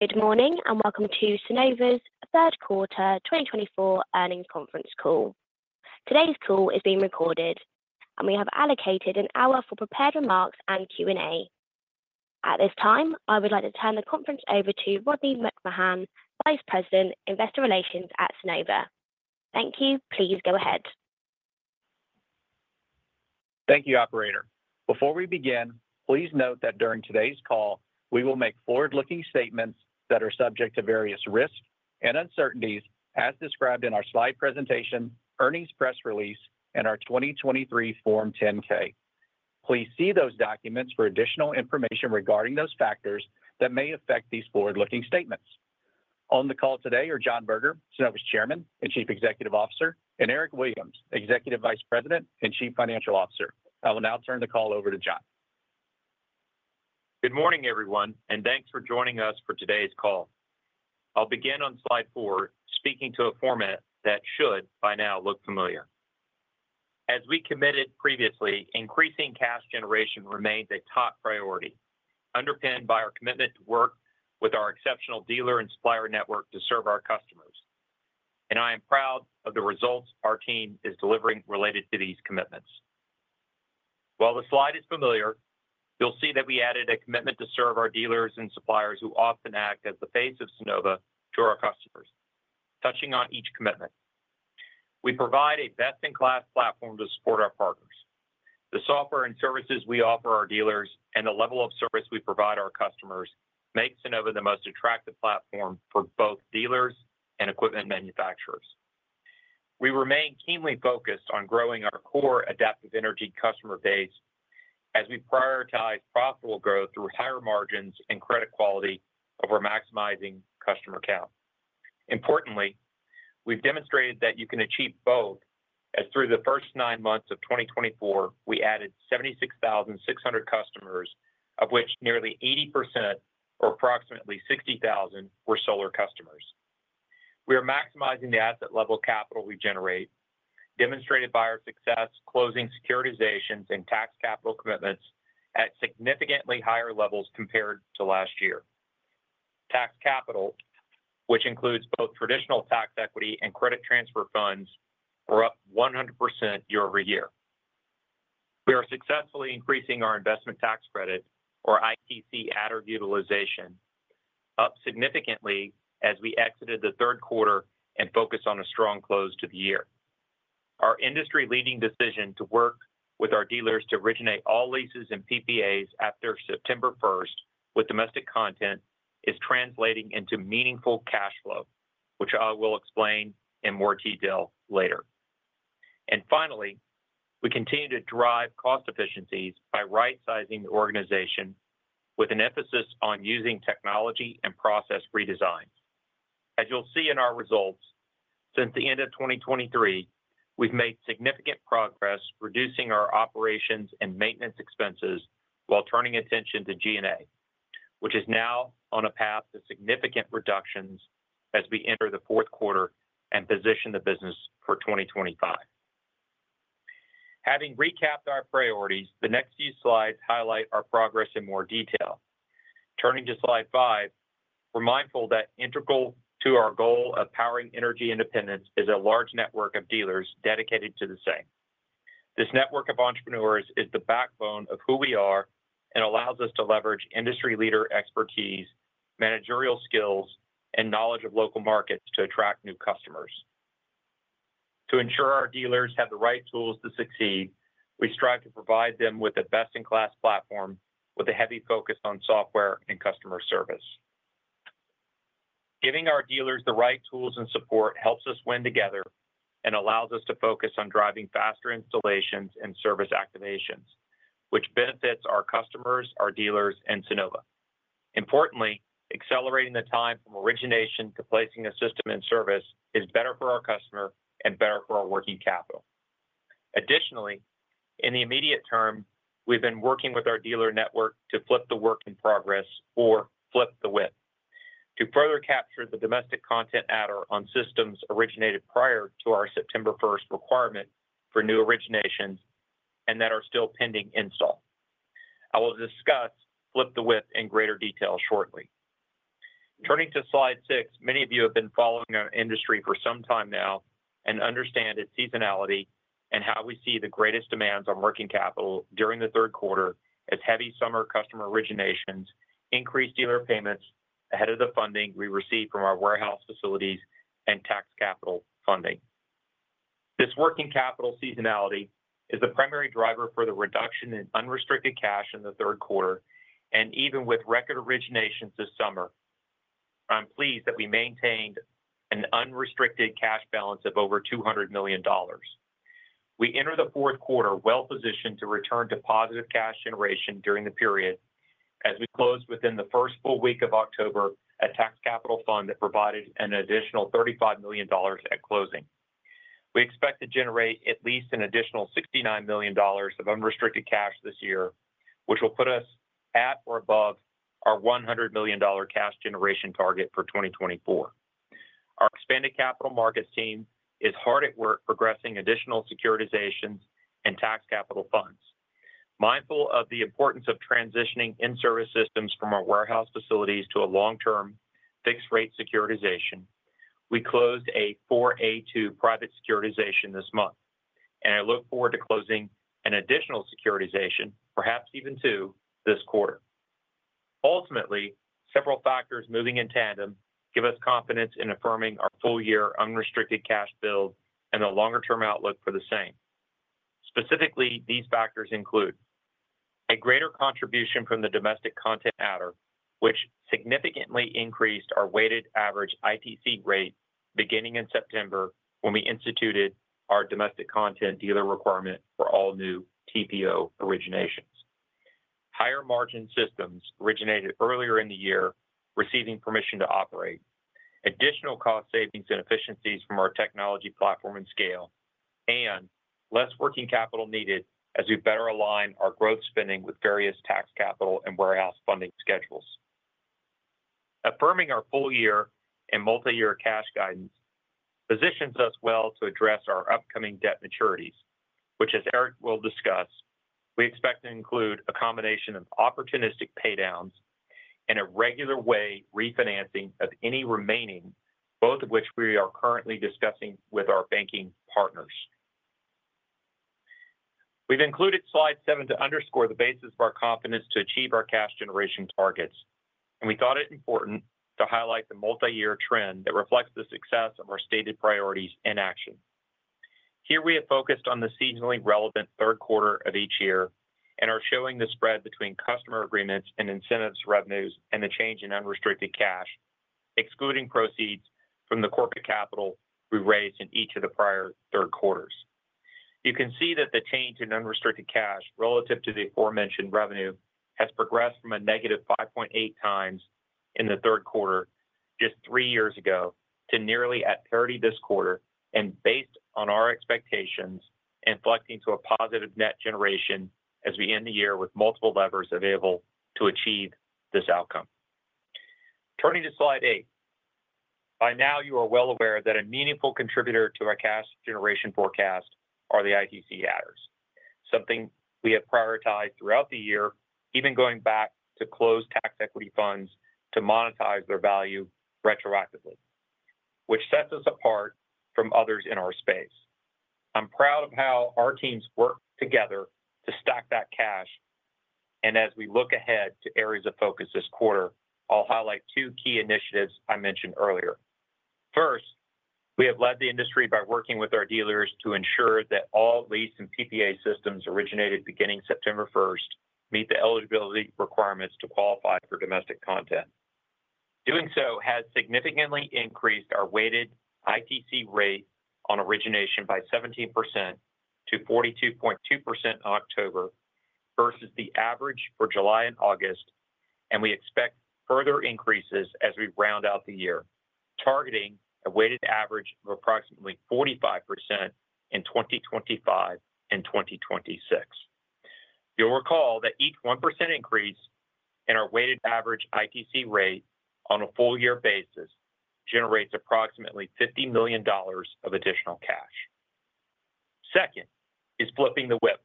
Good morning and welcome to Sunnova's third quarter 2024 earnings conference call. Today's call is being recorded, and we have allocated an hour for prepared remarks and Q&A. At this time, I would like to turn the conference over to Rodney McMahan, Vice President, Investor Relations at Sunnova. Thank you. Please go ahead. Thank you, Operator. Before we begin, please note that during today's call, we will make forward-looking statements that are subject to various risks and uncertainties, as described in our slide presentation, earnings press release, and our 2023 Form 10-K. Please see those documents for additional information regarding those factors that may affect these forward-looking statements. On the call today are John Berger, Sunnova's Chairman and Chief Executive Officer, and Eric Williams, Executive Vice President and Chief Financial Officer. I will now turn the call over to John. Good morning, everyone, and thanks for joining us for today's call. I'll begin on slide four, speaking to a format that should by now look familiar. As we committed previously, increasing cash generation remains a top priority, underpinned by our commitment to work with our exceptional dealer and supplier network to serve our customers, and I am proud of the results our team is delivering related to these commitments. While the slide is familiar, you'll see that we added a commitment to serve our dealers and suppliers who often act as the face of Sunnova to our customers. Touching on each commitment, we provide a best-in-class platform to support our partners. The software and services we offer our dealers and the level of service we provide our customers make Sunnova the most attractive platform for both dealers and equipment manufacturers. We remain keenly focused on growing our core Adaptive Energy customer base as we prioritize profitable growth through higher margins and credit quality over maximizing customer count. Importantly, we've demonstrated that you can achieve both, as through the first nine months of 2024, we added 76,600 customers, of which nearly 80%, or approximately 60,000, were solar customers. We are maximizing the asset level capital we generate, demonstrated by our success closing securitizations and tax capital commitments at significantly higher levels compared to last year. Tax capital, which includes both traditional tax equity and credit transfer funds, were up 100% year-over-year. We are successfully increasing our investment tax credit, or ITC, added utilization, up significantly as we exited the third quarter and focused on a strong close to the year. Our industry-leading decision to work with our dealers to originate all leases and PPAs after September 1st with domestic content is translating into meaningful cash flow, which I will explain in more detail later. And finally, we continue to drive cost efficiencies by right-sizing the organization with an emphasis on using technology and process redesign. As you'll see in our results, since the end of 2023, we've made significant progress reducing our operations and maintenance expenses while turning attention to G&A, which is now on a path to significant reductions as we enter the fourth quarter and position the business for 2025. Having recapped our priorities, the next few slides highlight our progress in more detail. Turning to slide five, we're mindful that integral to our goal of powering energy independence is a large network of dealers dedicated to the same. This network of entrepreneurs is the backbone of who we are and allows us to leverage industry-leader expertise, managerial skills, and knowledge of local markets to attract new customers. To ensure our dealers have the right tools to succeed, we strive to provide them with the best-in-class platform with a heavy focus on software and customer service. Giving our dealers the right tools and support helps us win together and allows us to focus on driving faster installations and service activations, which benefits our customers, our dealers, and Sunnova. Importantly, accelerating the time from origination to placing a system in service is better for our customer and better for our working capital. Additionally, in the immediate term, we've been working with our dealer network to flip the work in progress or flip the WIP to further capture the domestic content adder on systems originated prior to our September 1st requirement for new originations and that are still pending install. I will discuss flip the WIP in greater detail shortly. Turning to slide six, many of you have been following our industry for some time now and understand its seasonality and how we see the greatest demands on working capital during the third quarter as heavy summer customer originations increase dealer payments ahead of the funding we receive from our warehouse facilities and tax equity funding. This working capital seasonality is the primary driver for the reduction in unrestricted cash in the third quarter and even with record originations this summer. I'm pleased that we maintained an unrestricted cash balance of over $200 million. We entered the fourth quarter well-positioned to return to positive cash generation during the period as we closed within the first full week of October a tax capital fund that provided an additional $35 million at closing. We expect to generate at least an additional $69 million of unrestricted cash this year, which will put us at or above our $100 million cash generation target for 2024. Our expanded capital markets team is hard at work progressing additional securitizations and tax capital funds. Mindful of the importance of transitioning in-service systems from our warehouse facilities to a long-term fixed-rate securitization, we closed a 4(a)(2) private securitization this month, and I look forward to closing an additional securitization, perhaps even two, this quarter. Ultimately, several factors moving in tandem give us confidence in affirming our full-year unrestricted cash build and the longer-term outlook for the same. Specifically, these factors include a greater contribution from the domestic content adder, which significantly increased our weighted average ITC rate beginning in September when we instituted our domestic content dealer requirement for all new TPO originations. Higher margin systems originated earlier in the year, receiving permission to operate. Additional cost savings and efficiencies from our technology platform and scale, and less working capital needed as we better align our growth spending with various tax capital and warehouse funding schedules. Affirming our full-year and multi-year cash guidance positions us well to address our upcoming debt maturities, which, as Eric will discuss, we expect to include a combination of opportunistic paydowns and a regular way refinancing of any remaining, both of which we are currently discussing with our banking partners. We've included slide seven to underscore the basis of our confidence to achieve our cash generation targets, and we thought it important to highlight the multi-year trend that reflects the success of our stated priorities in action. Here we have focused on the seasonally relevant third quarter of each year and are showing the spread between customer agreements and incentives revenues and the change in unrestricted cash, excluding proceeds from the corporate capital we raised in each of the prior third quarters. You can see that the change in unrestricted cash relative to the aforementioned revenue has progressed from a -5.8x in the third quarter just three years ago to nearly at 30 this quarter, and based on our expectations, inflecting to a positive net generation as we end the year with multiple levers available to achieve this outcome. Turning to slide eight, by now you are well aware that a meaningful contributor to our cash generation forecast are the ITC adders, something we have prioritized throughout the year, even going back to close tax equity funds to monetize their value retroactively, which sets us apart from others in our space. I'm proud of how our teams work together to stack that cash, and as we look ahead to areas of focus this quarter, I'll highlight two key initiatives I mentioned earlier. First, we have led the industry by working with our dealers to ensure that all lease and PPA systems originated beginning September 1st meet the eligibility requirements to qualify for domestic content. Doing so has significantly increased our weighted ITC rate on origination by 17% to 42.2% in October versus the average for July and August, and we expect further increases as we round out the year, targeting a weighted average of approximately 45% in 2025 and 2026. You'll recall that each 1% increase in our weighted average ITC rate on a full-year basis generates approximately $50 million of additional cash. Second is flipping the WIP,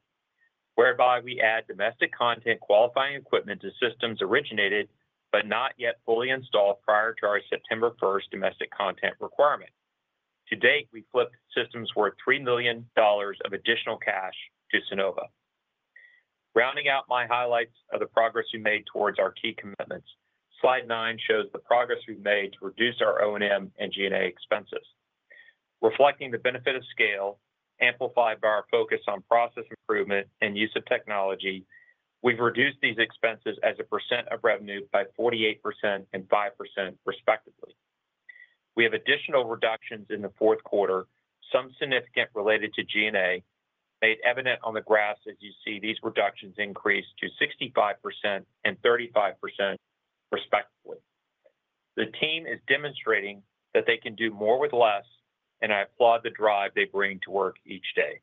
whereby we add domestic content qualifying equipment to systems originated but not yet fully installed prior to our September 1st domestic content requirement. To date, we've flipped systems worth $3 million of additional cash to Sunnova. Rounding out my highlights of the progress we made towards our key commitments, slide nine shows the progress we've made to reduce our O&M and G&A expenses. Reflecting the benefit of scale, amplified by our focus on process improvement and use of technology, we've reduced these expenses as a percent of revenue by 48% and 5%, respectively. We have additional reductions in the fourth quarter, some significant related to G&A, made evident on the graphs as you see these reductions increase to 65% and 35%, respectively. The team is demonstrating that they can do more with less, and I applaud the drive they bring to work each day.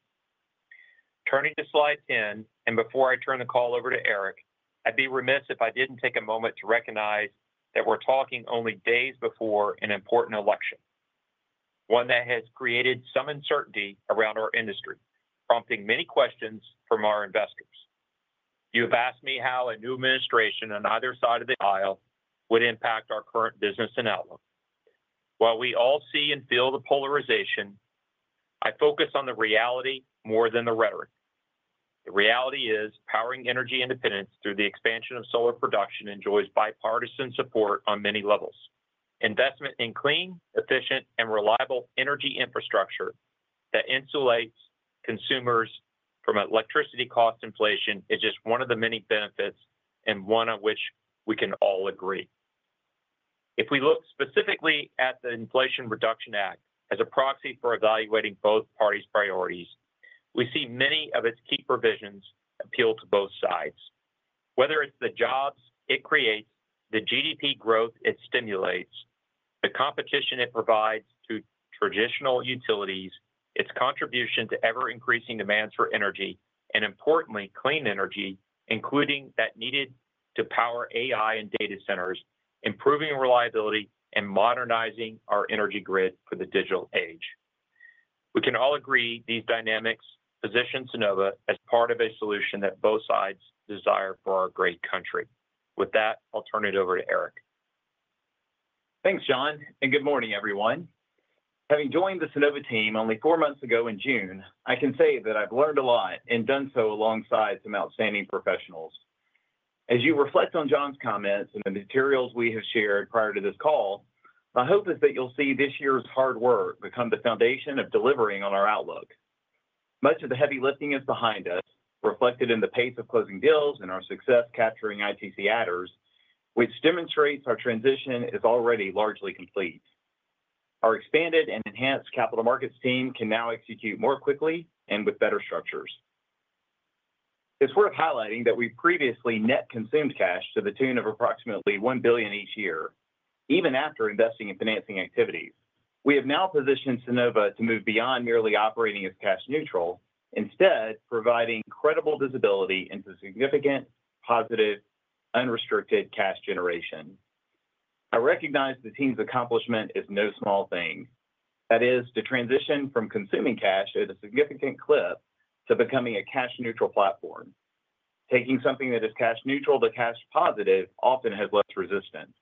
Turning to slide 10, and before I turn the call over to Eric, I'd be remiss if I didn't take a moment to recognize that we're talking only days before an important election, one that has created some uncertainty around our industry, prompting many questions from our investors. You have asked me how a new administration on either side of the aisle would impact our current business and outlook. While we all see and feel the polarization, I focus on the reality more than the rhetoric. The reality is powering energy independence through the expansion of solar production enjoys bipartisan support on many levels. Investment in clean, efficient, and reliable energy infrastructure that insulates consumers from electricity cost inflation is just one of the many benefits and one on which we can all agree. If we look specifically at the Inflation Reduction Act as a proxy for evaluating both parties' priorities, we see many of its key provisions appeal to both sides. Whether it's the jobs it creates, the GDP growth it stimulates, the competition it provides to traditional utilities, its contribution to ever-increasing demands for energy, and importantly, clean energy, including that needed to power AI and data centers, improving reliability and modernizing our energy grid for the digital age. We can all agree these dynamics position Sunnova as part of a solution that both sides desire for our great country. With that, I'll turn it over to Eric. Thanks, John, and good morning, everyone. Having joined the Sunnova team only four months ago in June, I can say that I've learned a lot and done so alongside some outstanding professionals. As you reflect on John's comments and the materials we have shared prior to this call, my hope is that you'll see this year's hard work become the foundation of delivering on our outlook. Much of the heavy lifting is behind us, reflected in the pace of closing deals and our success capturing ITC adders, which demonstrates our transition is already largely complete. Our expanded and enhanced capital markets team can now execute more quickly and with better structures. It's worth highlighting that we've previously net consumed cash to the tune of approximately $1 billion each year, even after investing in financing activities. We have now positioned Sunnova to move beyond merely operating as cash neutral, instead providing credible visibility into significant, positive, unrestricted cash generation. I recognize the team's accomplishment is no small thing. That is, to transition from consuming cash at a significant clip to becoming a cash-neutral platform. Taking something that is cash-neutral to cash-positive often has less resistance.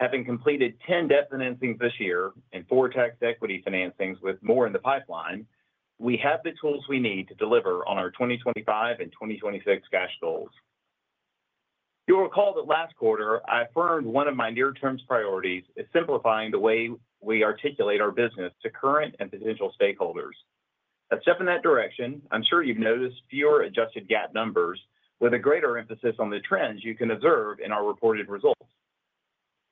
Having completed 10 debt financings this year and four tax equity financings with more in the pipeline, we have the tools we need to deliver on our 2025 and 2026 cash goals. You'll recall that last quarter, I affirmed one of my near-term priorities is simplifying the way we articulate our business to current and potential stakeholders. A step in that direction, I'm sure you've noticed fewer adjusted GAAP numbers with a greater emphasis on the trends you can observe in our reported results.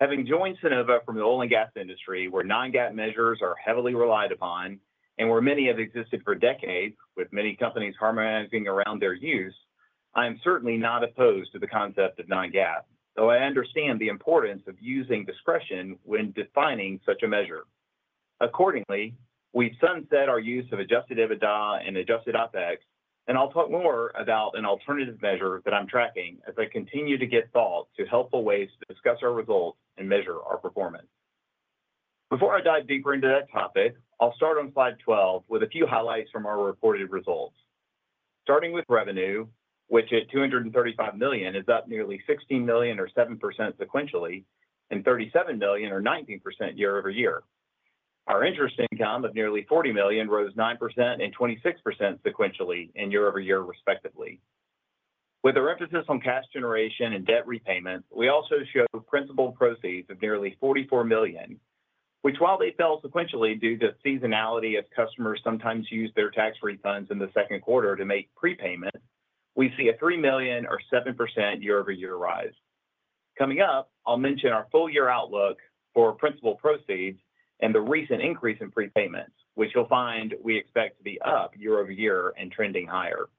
Having joined Sunnova from the oil and gas industry, where non-GAAP measures are heavily relied upon and where many have existed for decades with many companies harmonizing around their use, I am certainly not opposed to the concept of non-GAAP, though I understand the importance of using discretion when defining such a measure. Accordingly, we've sunset our use of adjusted EBITDA and adjusted OpEx, and I'll talk more about an alternative measure that I'm tracking as I continue to give thought to helpful ways to discuss our results and measure our performance. Before I dive deeper into that topic, I'll start on slide 12 with a few highlights from our reported results. Starting with revenue, which at $235 million is up nearly $16 million or 7% sequentially and $37 million or 19% year-over-year. Our interest income of nearly $40 million rose 9% and 26% sequentially and year-over-year, respectively. With our emphasis on cash generation and debt repayment, we also show principal proceeds of nearly $44 million, which, while they fell sequentially due to the seasonality as customers sometimes use their tax refunds in the second quarter to make prepayment, we see a $3 million or 7% year-over-year rise. Coming up, I'll mention our full-year outlook for principal proceeds and the recent increase in prepayments, which you'll find we expect to be up year-over-year and trending higher.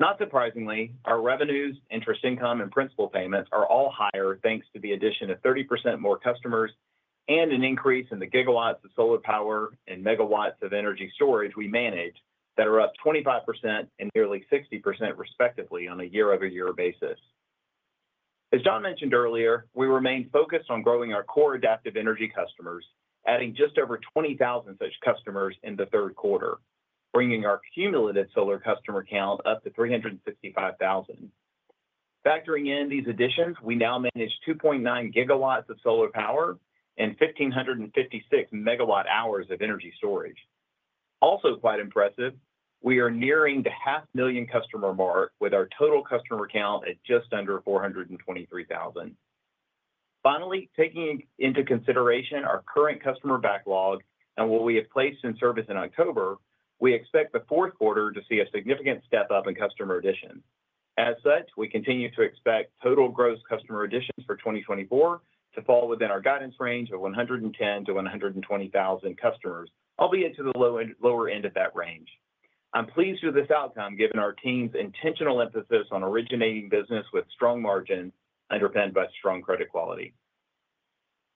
Not surprisingly, our revenues, interest income, and principal payments are all higher thanks to the addition of 30% more customers and an increase in the gigawatts of solar power and megawatts of energy storage we manage that are up 25% and nearly 60%, respectively, on a year-over-year basis. As John mentioned earlier, we remained focused on growing our core Adaptive Energy customers, adding just over 20,000 such customers in the third quarter, bringing our cumulative solar customer count up to 365,000. Factoring in these additions, we now manage 2.9 gigawatts of solar power and 1,556 megawatt-hours of energy storage. Also quite impressive, we are nearing the 500,000 customer mark with our total customer count at just under 423,000. Finally, taking into consideration our current customer backlog and what we have placed in service in October, we expect the fourth quarter to see a significant step up in customer addition. As such, we continue to expect total gross customer additions for 2024 to fall within our guidance range of 110,000 to 120,000 customers, albeit to the lower end of that range. I'm pleased with this outcome given our team's intentional emphasis on originating business with strong margins underpinned by strong credit quality.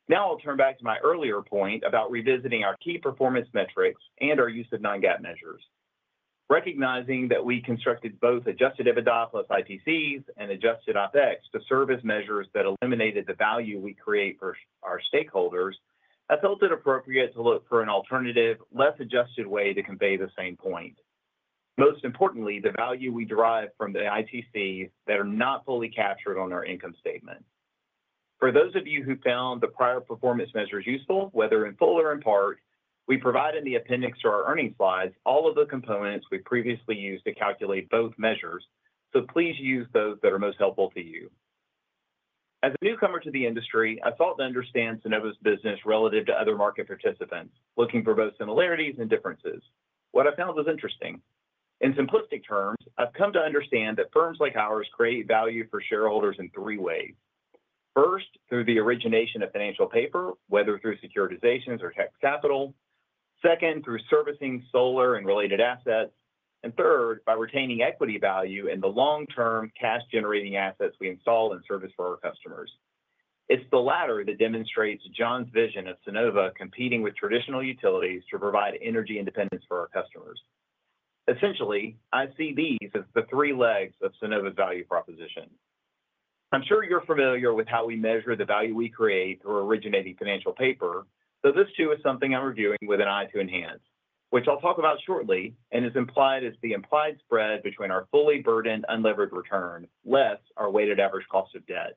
Now I'll turn back to my earlier point about revisiting our key performance metrics and our use of non-GAAP measures. Recognizing that we constructed both adjusted EBITDA plus ITCs and adjusted OpEx to service measures that eliminated the value we create for our stakeholders, I felt it appropriate to look for an alternative, less adjusted way to convey the same point. Most importantly, the value we derive from the ITCs that are not fully captured on our income statement. For those of you who found the prior performance measures useful, whether in full or in part, we provide in the appendix to our earnings slides all of the components we previously used to calculate both measures, so please use those that are most helpful to you. As a newcomer to the industry, I thought to understand Sunnova's business relative to other market participants, looking for both similarities and differences. What I found was interesting. In simplistic terms, I've come to understand that firms like ours create value for shareholders in three ways. First, through the origination of financial paper, whether through securitizations or tax equity. Second, through servicing solar and related assets. And third, by retaining equity value in the long-term cash-generating assets we install and service for our customers. It's the latter that demonstrates John's vision of Sunnova competing with traditional utilities to provide energy independence for our customers. Essentially, I see these as the three legs of Sunnova's value proposition. I'm sure you're familiar with how we measure the value we create through originating financial paper, though this too is something I'm reviewing with an eye to enhance, which I'll talk about shortly and is implied as the implied spread between our fully burdened unlevered return less our weighted average cost of debt.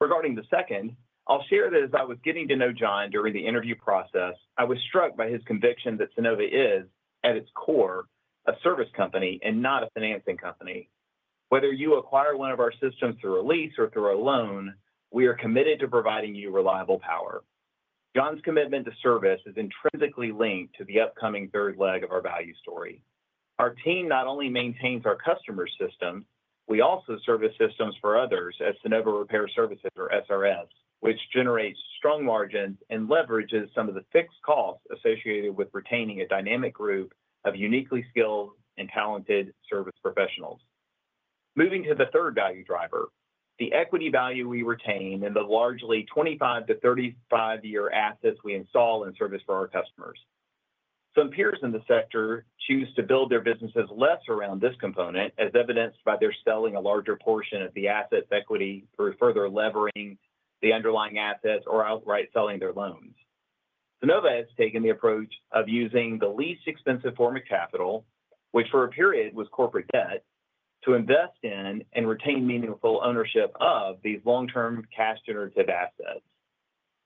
Regarding the second, I'll share that as I was getting to know John during the interview process, I was struck by his conviction that Sunnova is, at its core, a service company and not a financing company. Whether you acquire one of our systems through a lease or through a loan, we are committed to providing you reliable power. John's commitment to service is intrinsically linked to the upcoming third leg of our value story. Our team not only maintains our customer's systems, we also service systems for others at Sunnova Repair Services, or SRS, which generates strong margins and leverages some of the fixed costs associated with retaining a dynamic group of uniquely skilled and talented service professionals. Moving to the third value driver, the equity value we retain in the largely 25- to 35-year assets we install and service for our customers. Some peers in the sector choose to build their businesses less around this component, as evidenced by their selling a larger portion of the assets' equity through further levering the underlying assets or outright selling their loans. Sunnova has taken the approach of using the least expensive form of capital, which for a period was corporate debt, to invest in and retain meaningful ownership of these long-term cash-generative assets.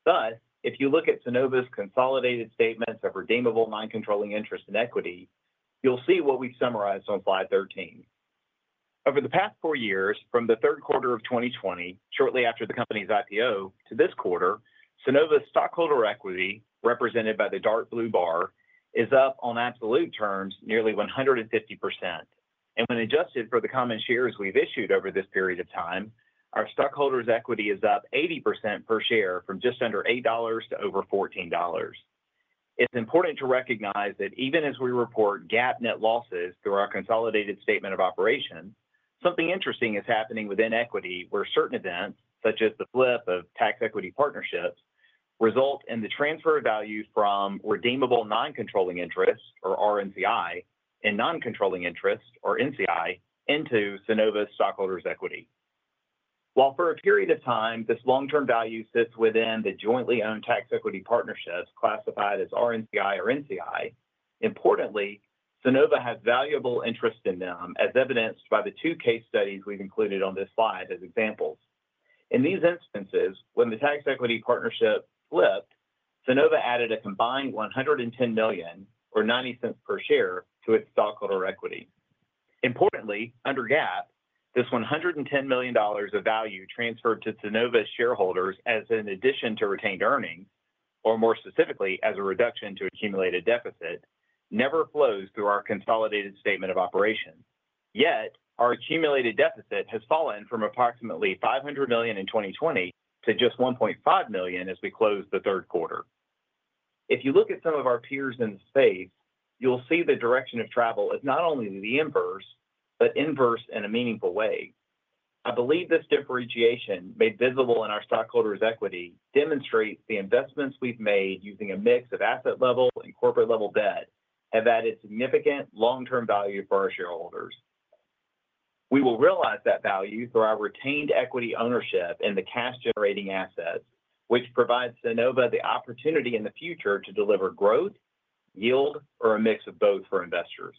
Thus, if you look at Sunnova's consolidated statements of redeemable non-controlling interest in equity, you'll see what we've summarized on slide 13. Over the past four years, from the third quarter of 2020, shortly after the company's IPO, to this quarter, Sunnova's stockholder equity, represented by the dark blue bar, is up on absolute terms nearly 150%, and when adjusted for the common shares we've issued over this period of time, our stockholders' equity is up 80% per share from just under $8 to over $14. It's important to recognize that even as we report GAAP net losses through our consolidated statement of operations, something interesting is happening within equity where certain events, such as the flip of tax equity partnerships, result in the transfer of value from redeemable non-controlling interests, or RNCI, and non-controlling interests, or NCI, into Sunnova's stockholders' equity. While for a period of time, this long-term value sits within the jointly owned tax equity partnerships classified as RNCI or NCI, importantly, Sunnova has valuable interest in them, as evidenced by the two case studies we've included on this slide as examples. In these instances, when the tax equity partnership flipped, Sunnova added a combined $110 million, or $0.90 per share, to its stockholder equity. Importantly, under GAAP, this $110 million of value transferred to Sunnova's shareholders as an addition to retained earnings, or more specifically, as a reduction to accumulated deficit, never flows through our consolidated statement of operations. Yet, our accumulated deficit has fallen from approximately $500 million in 2020 to just $1.5 million as we close the third quarter. If you look at some of our peers in the space, you'll see the direction of travel is not only the inverse, but inverse in a meaningful way. I believe this differentiation made visible in our stockholders' equity demonstrates the investments we've made using a mix of asset-level and corporate-level debt have added significant long-term value for our shareholders. We will realize that value through our retained equity ownership in the cash-generating assets, which provides Sunnova the opportunity in the future to deliver growth, yield, or a mix of both for investors.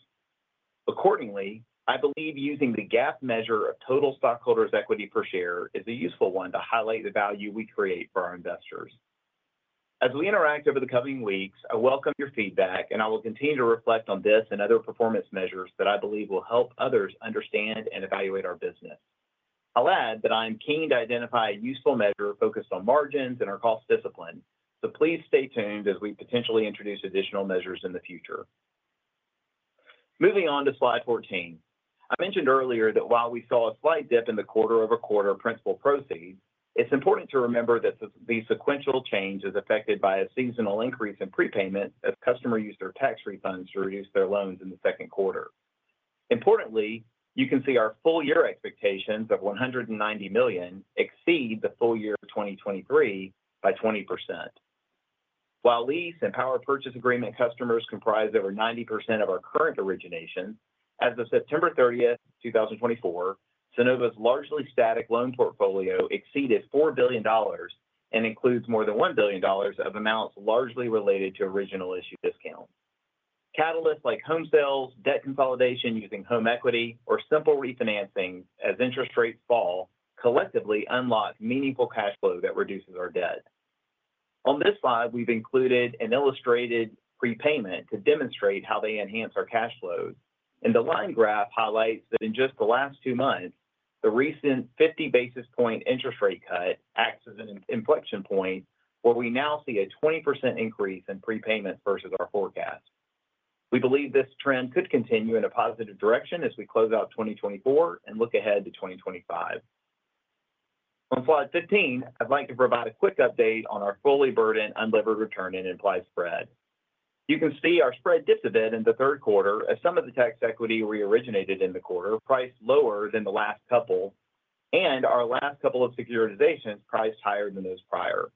Accordingly, I believe using the GAAP measure of total stockholders' equity per share is a useful one to highlight the value we create for our investors. As we interact over the coming weeks, I welcome your feedback, and I will continue to reflect on this and other performance measures that I believe will help others understand and evaluate our business. I'll add that I am keen to identify a useful measure focused on margins and our cost discipline, so please stay tuned as we potentially introduce additional measures in the future. Moving on to slide 14, I mentioned earlier that while we saw a slight dip in the quarter-over-quarter principal proceeds, it's important to remember that the sequential change is affected by a seasonal increase in prepayments as customers use their tax refunds to reduce their loans in the second quarter. Importantly, you can see our full-year expectations of $190 million exceed the full year of 2023 by 20%. While lease and power purchase agreement customers comprise over 90% of our current originations, as of September 30, 2024, Sunnova's largely static loan portfolio exceeded $4 billion and includes more than $1 billion of amounts largely related to original issue discounts. Catalysts like home sales, debt consolidation using home equity, or simple refinancing as interest rates fall collectively unlock meaningful cash flow that reduces our debt. On this slide, we've included an illustrated prepayment to demonstrate how they enhance our cash flows. And the line graph highlights that in just the last two months, the recent 50 basis point interest rate cut acts as an inflection point where we now see a 20% increase in prepayments versus our forecast. We believe this trend could continue in a positive direction as we close out 2024 and look ahead to 2025. On slide 15, I'd like to provide a quick update on our fully burdened unlevered return and implied spread. You can see our spread dips a bit in the third quarter as some of the tax equity reoriginated in the quarter, priced lower than the last couple, and our last couple of securitizations priced higher than those prior.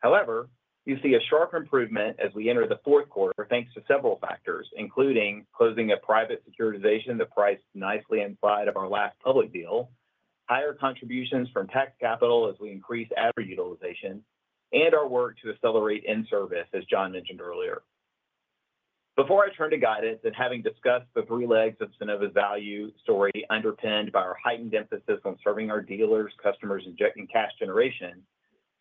However, you see a sharp improvement as we enter the fourth quarter thanks to several factors, including closing a private securitization that priced nicely inside of our last public deal, higher contributions from tax capital as we increase adders utilization, and our work to accelerate in-service, as John mentioned earlier. Before I turn to guidance and having discussed the three legs of Sunnova's value story underpinned by our heightened emphasis on serving our dealers, customers, and cash generation,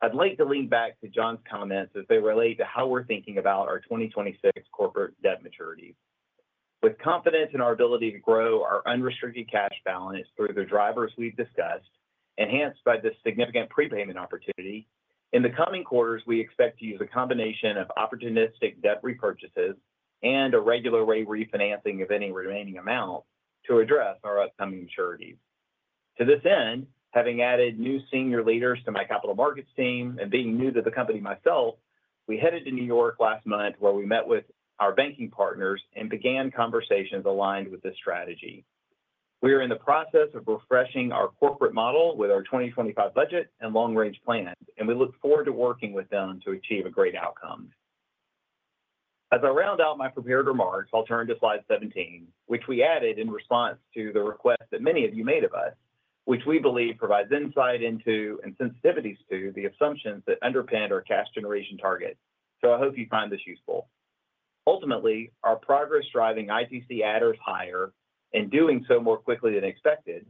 I'd like to lean back to John's comments as they relate to how we're thinking about our 2026 corporate debt maturities. With confidence in our ability to grow our unrestricted cash balance through the drivers we've discussed, enhanced by this significant prepayment opportunity, in the coming quarters, we expect to use a combination of opportunistic debt repurchases and a regular way refinancing of any remaining amount to address our upcoming maturities. To this end, having added new senior leaders to my capital markets team and being new to the company myself, we headed to New York last month where we met with our banking partners and began conversations aligned with this strategy. We are in the process of refreshing our corporate model with our 2025 budget and long-range plan, and we look forward to working with them to achieve a great outcome. As I round out my prepared remarks, I'll turn to slide 17, which we added in response to the request that many of you made of us, which we believe provides insight into and sensitivities to the assumptions that underpin our cash generation target. So I hope you find this useful. Ultimately, our progress-driving ITC adders higher and doing so more quickly than expected,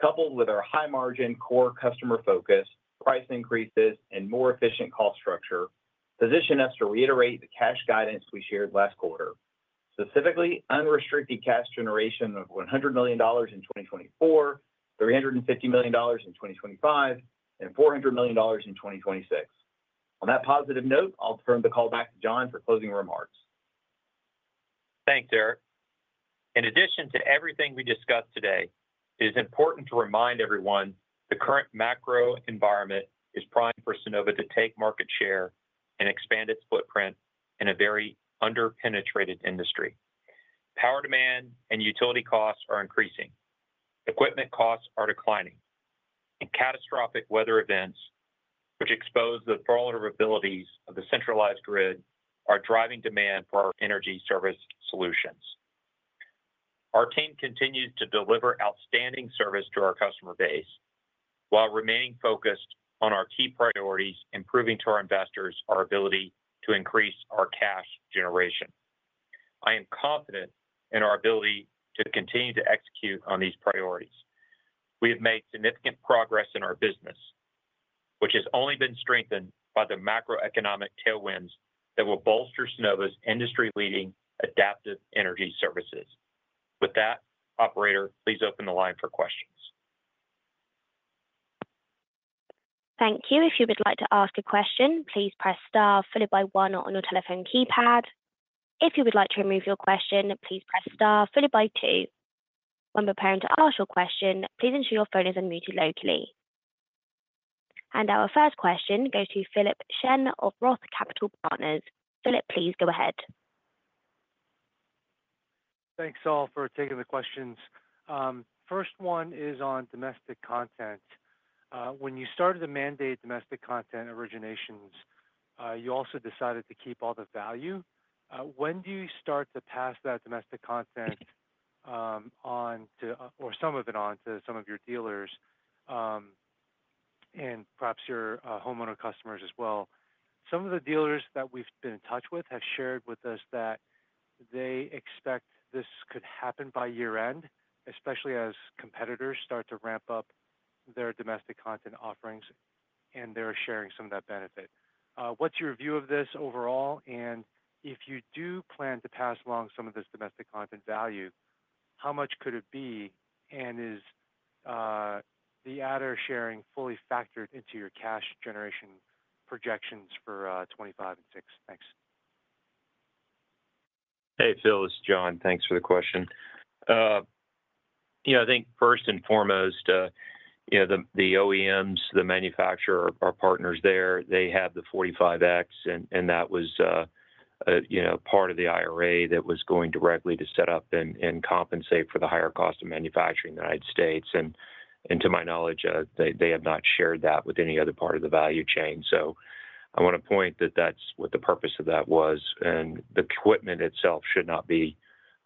coupled with our high-margin core customer focus, price increases, and more efficient cost structure, position us to reiterate the cash guidance we shared last quarter, specifically unrestricted cash generation of $100 million in 2024, $350 million in 2025, and $400 million in 2026. On that positive note, I'll turn the call back to John for closing remarks. Thanks, Eric. In addition to everything we discussed today, it is important to remind everyone the current macro environment is prime for Sunnova to take market share and expand its footprint in a very underpenetrated industry. Power demand and utility costs are increasing. Equipment costs are declining, and catastrophic weather events, which expose the vulnerabilities of the centralized grid, are driving demand for our energy service solutions. Our team continues to deliver outstanding service to our customer base while remaining focused on our key priorities, improving to our investors our ability to increase our cash generation. I am confident in our ability to continue to execute on these priorities. We have made significant progress in our business, which has only been strengthened by the macroeconomic tailwinds that will bolster Sunnova's industry-leading Adaptive Energy services. With that, Operator, please open the line for questions. Thank you. If you would like to ask a question, please press star followed by one on your telephone keypad. If you would like to remove your question, please press star followed by two. When preparing to ask your question, please ensure your phone is unmuted locally. And our first question goes to Philip Shen of Roth Capital Partners. Philip, please go ahead. Thanks all for taking the questions. First one is on domestic content. When you started the mandate domestic content originations, you also decided to keep all the value. When do you start to pass that domestic content on to, or some of it on to some of your dealers and perhaps your homeowner customers as well? Some of the dealers that we've been in touch with have shared with us that they expect this could happen by year-end, especially as competitors start to ramp up their domestic content offerings and they're sharing some of that benefit. What's your view of this overall? And if you do plan to pass along some of this domestic content value, how much could it be? And is the adder sharing fully factored into your cash generation projections for 2025 and 2026? Thanks. Hey, Phil, this is John. Thanks for the question. I think first and foremost, the OEMs, the manufacturer, our partners there, they have the 45X, and that was part of the IRA that was going directly to set up and compensate for the higher cost of manufacturing in the United States. And to my knowledge, they have not shared that with any other part of the value chain. So I want to point out that that's what the purpose of that was. And the equipment itself should not be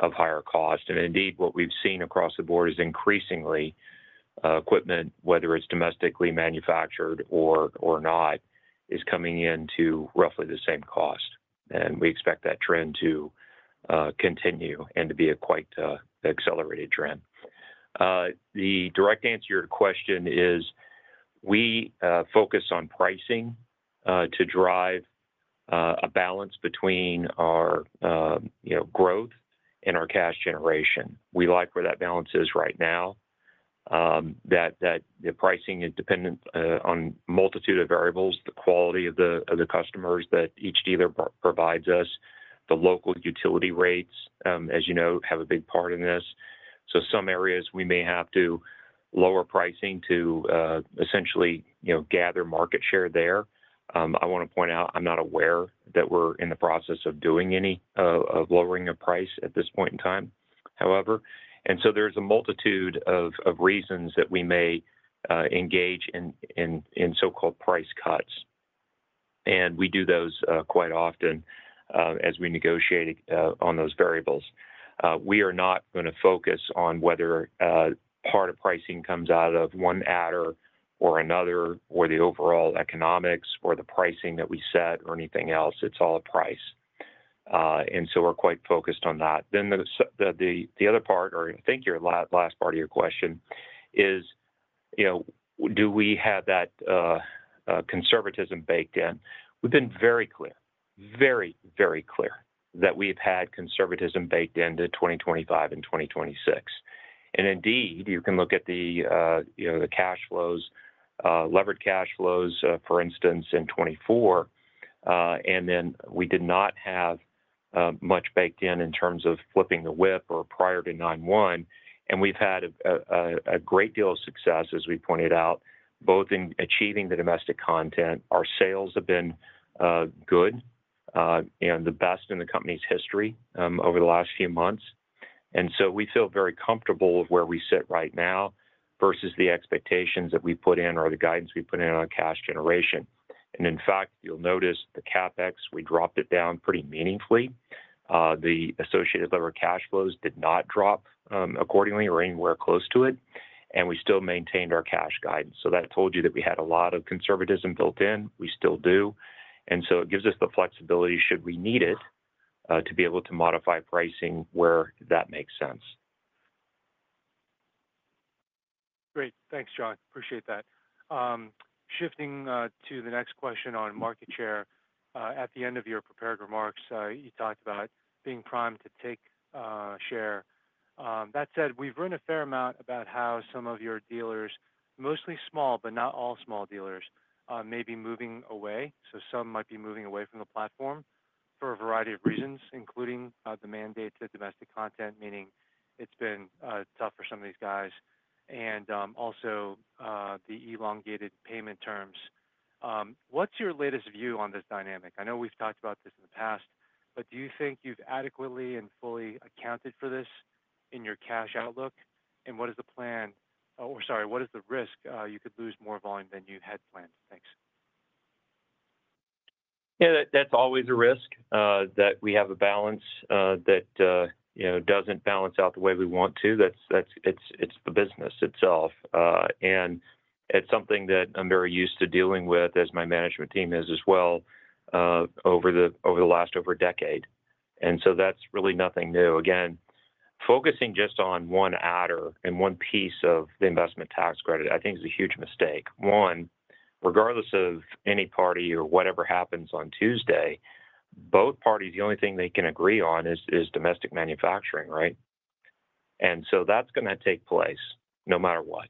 of higher cost. And indeed, what we've seen across the board is increasingly equipment, whether it's domestically manufactured or not, is coming into roughly the same cost. And we expect that trend to continue and to be a quite accelerated trend. The direct answer to your question is we focus on pricing to drive a balance between our growth and our cash generation. We like where that balance is right now, that the pricing is dependent on a multitude of variables, the quality of the customers that each dealer provides us, the local utility rates, as you know, have a big part in this. So some areas we may have to lower pricing to essentially gather market share there. I want to point out I'm not aware that we're in the process of doing any of lowering a price at this point in time, however, and so there's a multitude of reasons that we may engage in so-called price cuts, and we do those quite often as we negotiate on those variables. We are not going to focus on whether part of pricing comes out of one adder or another or the overall economics or the pricing that we set or anything else. It's all a price, and so we're quite focused on that, then the other part, or I think your last part of your question is, do we have that conservatism baked in? We've been very clear, very, very clear that we've had conservatism baked into 2025 and 2026, and indeed, you can look at the cash flows, levered cash flows, for instance, in 2024. And then we did not have much baked in in terms of flipping the WIP or prior to 9/1. And we've had a great deal of success, as we pointed out, both in achieving the domestic content. Our sales have been good and the best in the company's history over the last few months. And so we feel very comfortable with where we sit right now versus the expectations that we put in or the guidance we put in on cash generation. And in fact, you'll notice the CapEx, we dropped it down pretty meaningfully. The associated lever cash flows did not drop accordingly or anywhere close to it. And we still maintained our cash guidance. So that told you that we had a lot of conservatism built in. We still do. And so it gives us the flexibility, should we need it, to be able to modify pricing where that makes sense. Great. Thanks, John. Appreciate that. Shifting to the next question on market share, at the end of your prepared remarks, you talked about being primed to take share. That said, we've written a fair amount about how some of your dealers, mostly small, but not all small dealers, may be moving away. So some might be moving away from the platform for a variety of reasons, including the mandate to domestic content, meaning it's been tough for some of these guys, and also the elongated payment terms. What's your latest view on this dynamic? I know we've talked about this in the past, but do you think you've adequately and fully accounted for this in your cash outlook? And what is the plan, or sorry, what is the risk you could lose more volume than you had planned? Thanks. Yeah, that's always a risk that we have a balance that doesn't balance out the way we want to. It's the business itself. And it's something that I'm very used to dealing with, as my management team is as well, over the last over a decade. And so that's really nothing new. Again, focusing just on one adder and one piece of the investment tax credit, I think, is a huge mistake. One, regardless of any party or whatever happens on Tuesday, both parties, the only thing they can agree on is domestic manufacturing, right? And so that's going to take place no matter what.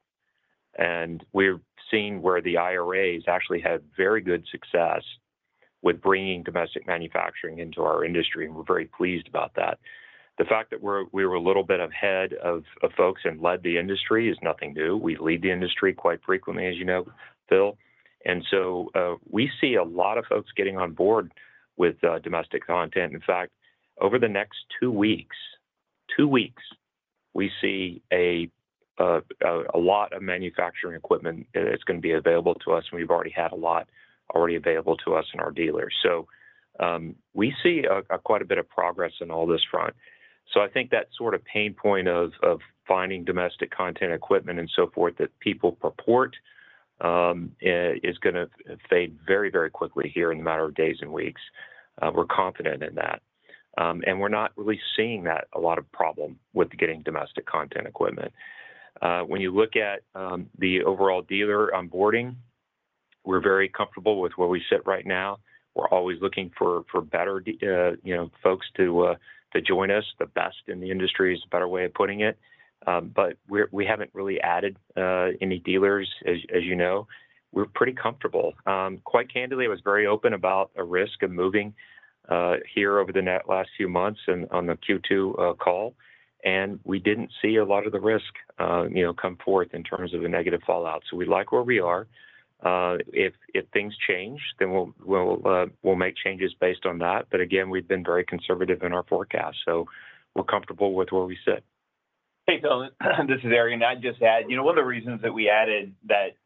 And we're seeing where the IRAs actually had very good success with bringing domestic manufacturing into our industry, and we're very pleased about that. The fact that we were a little bit ahead of folks and led the industry is nothing new. We lead the industry quite frequently, as you know, Phil, and so we see a lot of folks getting on board with domestic content. In fact, over the next two weeks, we see a lot of manufacturing equipment that's going to be available to us, and we've already had a lot already available to us and our dealers. So we see quite a bit of progress on all this front, so I think that sort of pain point of finding domestic content equipment and so forth that people purport is going to fade very, very quickly here in a matter of days and weeks. We're confident in that, and we're not really seeing that a lot of problem with getting domestic content equipment. When you look at the overall dealer onboarding, we're very comfortable with where we sit right now. We're always looking for better folks to join us. The best in the industry is a better way of putting it. But we haven't really added any dealers, as you know. We're pretty comfortable. Quite candidly, I was very open about a risk of moving here over the last few months and on the Q2 call. And we didn't see a lot of the risk come forth in terms of a negative fallout. So we like where we are. If things change, then we'll make changes based on that. But again, we've been very conservative in our forecast. So we're comfortable with where we sit. Hey, Philip, this is Eric. I just add, one of the reasons that we added that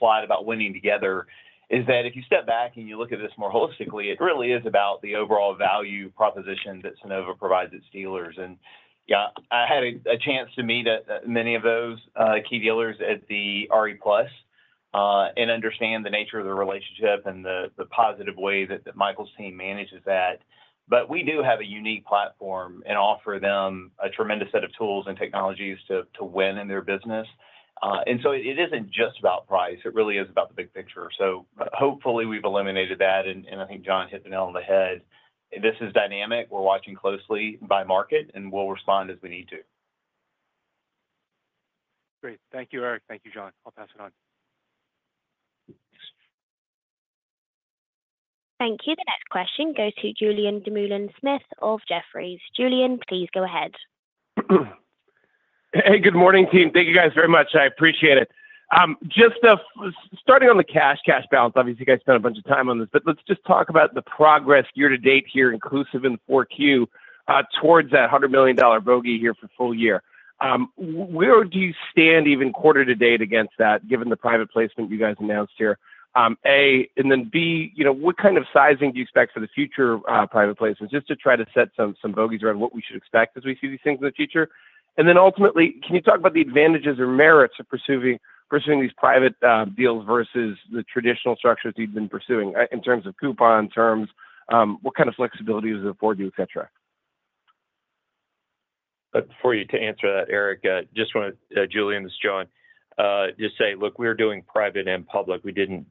slide about winning together is that if you step back and you look at this more holistically, it really is about the overall value proposition that Sunnova provides its dealers. And I had a chance to meet many of those key dealers at the RE+ and understand the nature of the relationship and the positive way that Michael's team manages that. But we do have a unique platform and offer them a tremendous set of tools and technologies to win in their business. And so it isn't just about price. It really is about the big picture. So hopefully we've eliminated that. And I think John hit the nail on the head. This is dynamic. We're watching closely by market, and we'll respond as we need to. Great. Thank you, Eric. Thank you, John. I'll pass it on. Thank you. The next question goes to Julien Dumoulin-Smith of Jefferies. Julian, please go ahead. Hey, good morning, team. Thank you guys very much. I appreciate it. Just starting on the cash balance, obviously, you guys spent a bunch of time on this, but let's just talk about the progress year-to-date here, inclusive in the 4Q, towards that $100 million bogey here for full year. Where do you stand even quarter-to-date against that, given the private placement you guys announced here? A, and then B, what kind of sizing do you expect for the future private placements, just to try to set some bogeys around what we should expect as we see these things in the future? And then ultimately, can you talk about the advantages or merits of pursuing these private deals versus the traditional structures you've been pursuing in terms of coupon terms? What kind of flexibility does it afford you, etc.? For you to answer that, Eric, just want to, Julien, this is John, just say, look, we're doing private and public. We didn't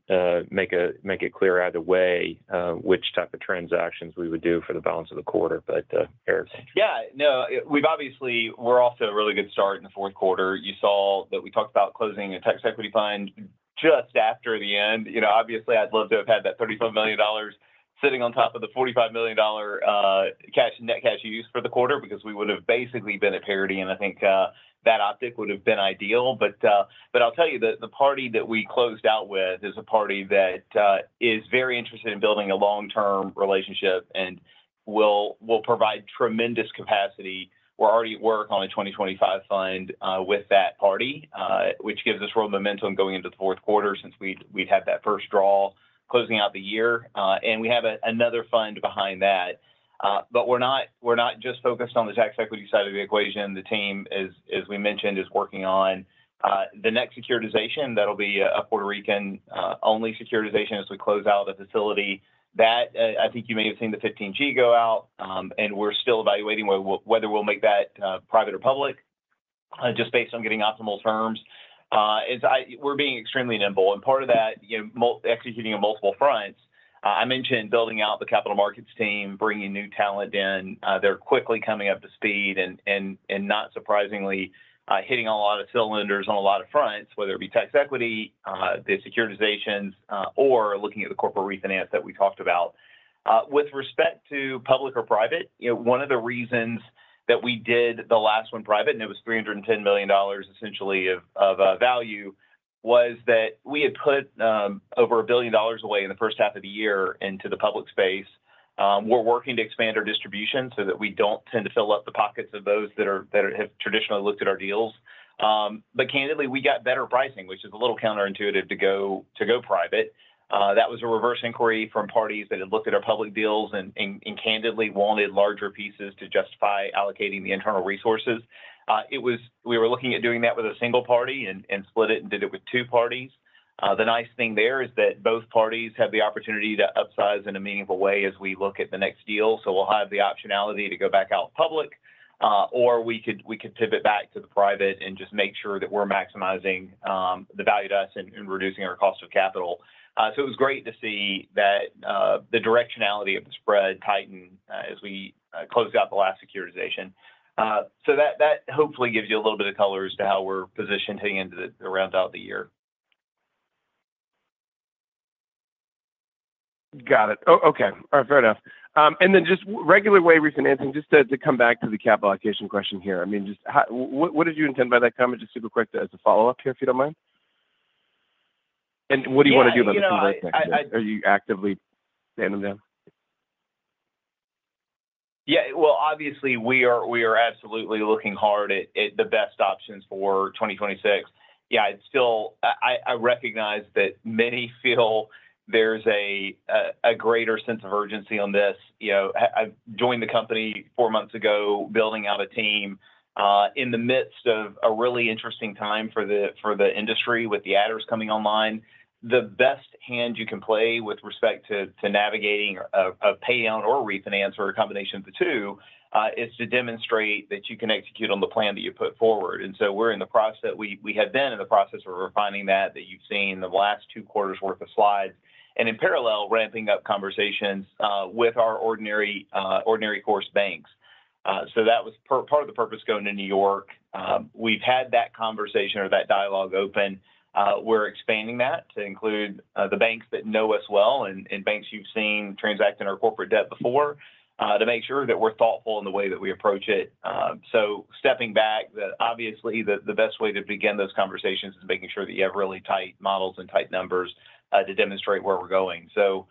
make it clear either way which type of transactions we would do for the balance of the quarter, but Eric. Yeah. No, we're off to a really good start in the fourth quarter. You saw that we talked about closing a tax equity fund just after the end. Obviously, I'd love to have had that $35 million sitting on top of the $45 million net cash use for the quarter because we would have basically been at parity, and I think that optics would have been ideal. But I'll tell you that the partner that we closed out with is a partner that is very interested in building a long-term relationship and will provide tremendous capacity. We're already at work on a 2025 fund with that party, which gives us real momentum going into the fourth quarter since we'd had that first draw closing out the year. And we have another fund behind that. But we're not just focused on the tax equity side of the equation. The team, as we mentioned, is working on the next securitization. That'll be a Puerto Rican-only securitization as we close out a facility. I think you may have seen the 15-G go out, and we're still evaluating whether we'll make that private or public just based on getting optimal terms. We're being extremely nimble. And part of that, executing on multiple fronts, I mentioned building out the capital markets team, bringing new talent in. They're quickly coming up to speed and, not surprisingly, hitting on a lot of cylinders on a lot of fronts, whether it be tax equity, the securitizations, or looking at the corporate refinance that we talked about. With respect to public or private, one of the reasons that we did the last one private, and it was $310 million, essentially, of value, was that we had put over $1 billion away in the first half of the year into the public space. We're working to expand our distribution so that we don't tend to fill up the pockets of those that have traditionally looked at our deals. But candidly, we got better pricing, which is a little counterintuitive to go private. That was a reverse inquiry from parties that had looked at our public deals and candidly wanted larger pieces to justify allocating the internal resources. We were looking at doing that with a single party and split it and did it with two parties. The nice thing there is that both parties have the opportunity to upsize in a meaningful way as we look at the next deal. So we'll have the optionality to go back out public, or we could pivot back to the private and just make sure that we're maximizing the value to us and reducing our cost of capital. So it was great to see that the directionality of the spread tightened as we closed out the last securitization. So that hopefully gives you a little bit of color to how we're positioned heading into the rounding out of the year. Got it. Okay. All right. Fair enough. And then just regular way of reasoning, just to come back to the capital allocation question here. I mean, what did you intend by that comment? Just super quick as a follow-up here, if you don't mind. And what do you want to do by the end of the next year? Are you actively handling them? Yeah. Well, obviously, we are absolutely looking hard at the best options for 2026. Yeah, I recognize that many feel there's a greater sense of urgency on this. I joined the company four months ago, building out a team in the midst of a really interesting time for the industry with the adders coming online. The best hand you can play with respect to navigating a payout or refinance or a combination of the two is to demonstrate that you can execute on the plan that you put forward. We're in the process that we had been in the process of refining that you've seen the last two quarters' worth of slides, and in parallel ramping up conversations with our ordinary course banks. That was part of the purpose going to New York. We've had that conversation or that dialogue open. We're expanding that to include the banks that know us well and banks you've seen transact in our corporate debt before, to make sure that we're thoughtful in the way that we approach it. Stepping back, obviously, the best way to begin those conversations is making sure that you have really tight models and tight numbers to demonstrate where we're going. So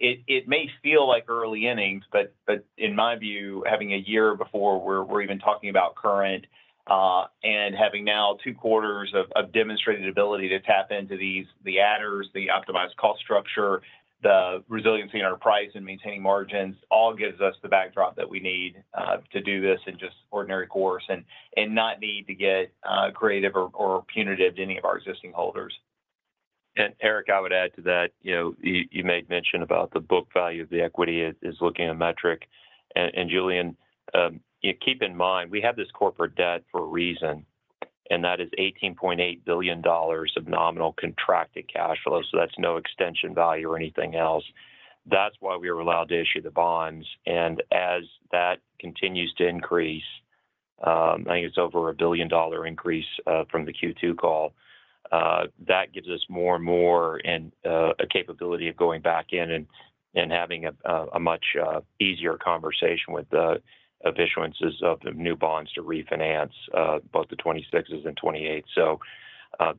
it may feel like early innings, but in my view, having a year before we're even talking about current and having now two quarters of demonstrated ability to tap into the adders, the optimized cost structure, the resiliency in our price and maintaining margins all gives us the backdrop that we need to do this in just ordinary course and not need to get creative or punitive to any of our existing holders. And Eric, I would add to that. You made mention about the book value of the equity as looking at a metric. And Julien, keep in mind, we have this corporate debt for a reason, and that is $18.8 billion of nominal contracted cash flow. So that's no extension value or anything else. That's why we were allowed to issue the bonds. And as that continues to increase, I think it's over a billion-dollar increase from the Q2 call. That gives us more and more of a capability of going back in and having a much easier conversation with the issuances of new bonds to refinance both the 26s and 28s. So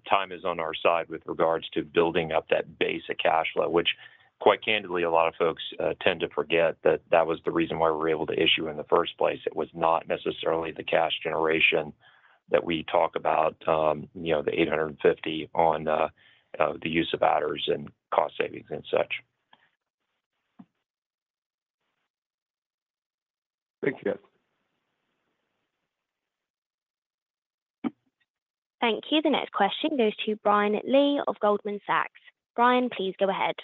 time is on our side with regards to building up that base of cash flow, which, quite candidly, a lot of folks tend to forget, that that was the reason why we were able to issue in the first place. It was not necessarily the cash generation that we talk about, the 850 on the use of adders and cost savings and such. Thank you. Thank you. The next question goes to Brian Lee of Goldman Sachs. Brian, please go ahead.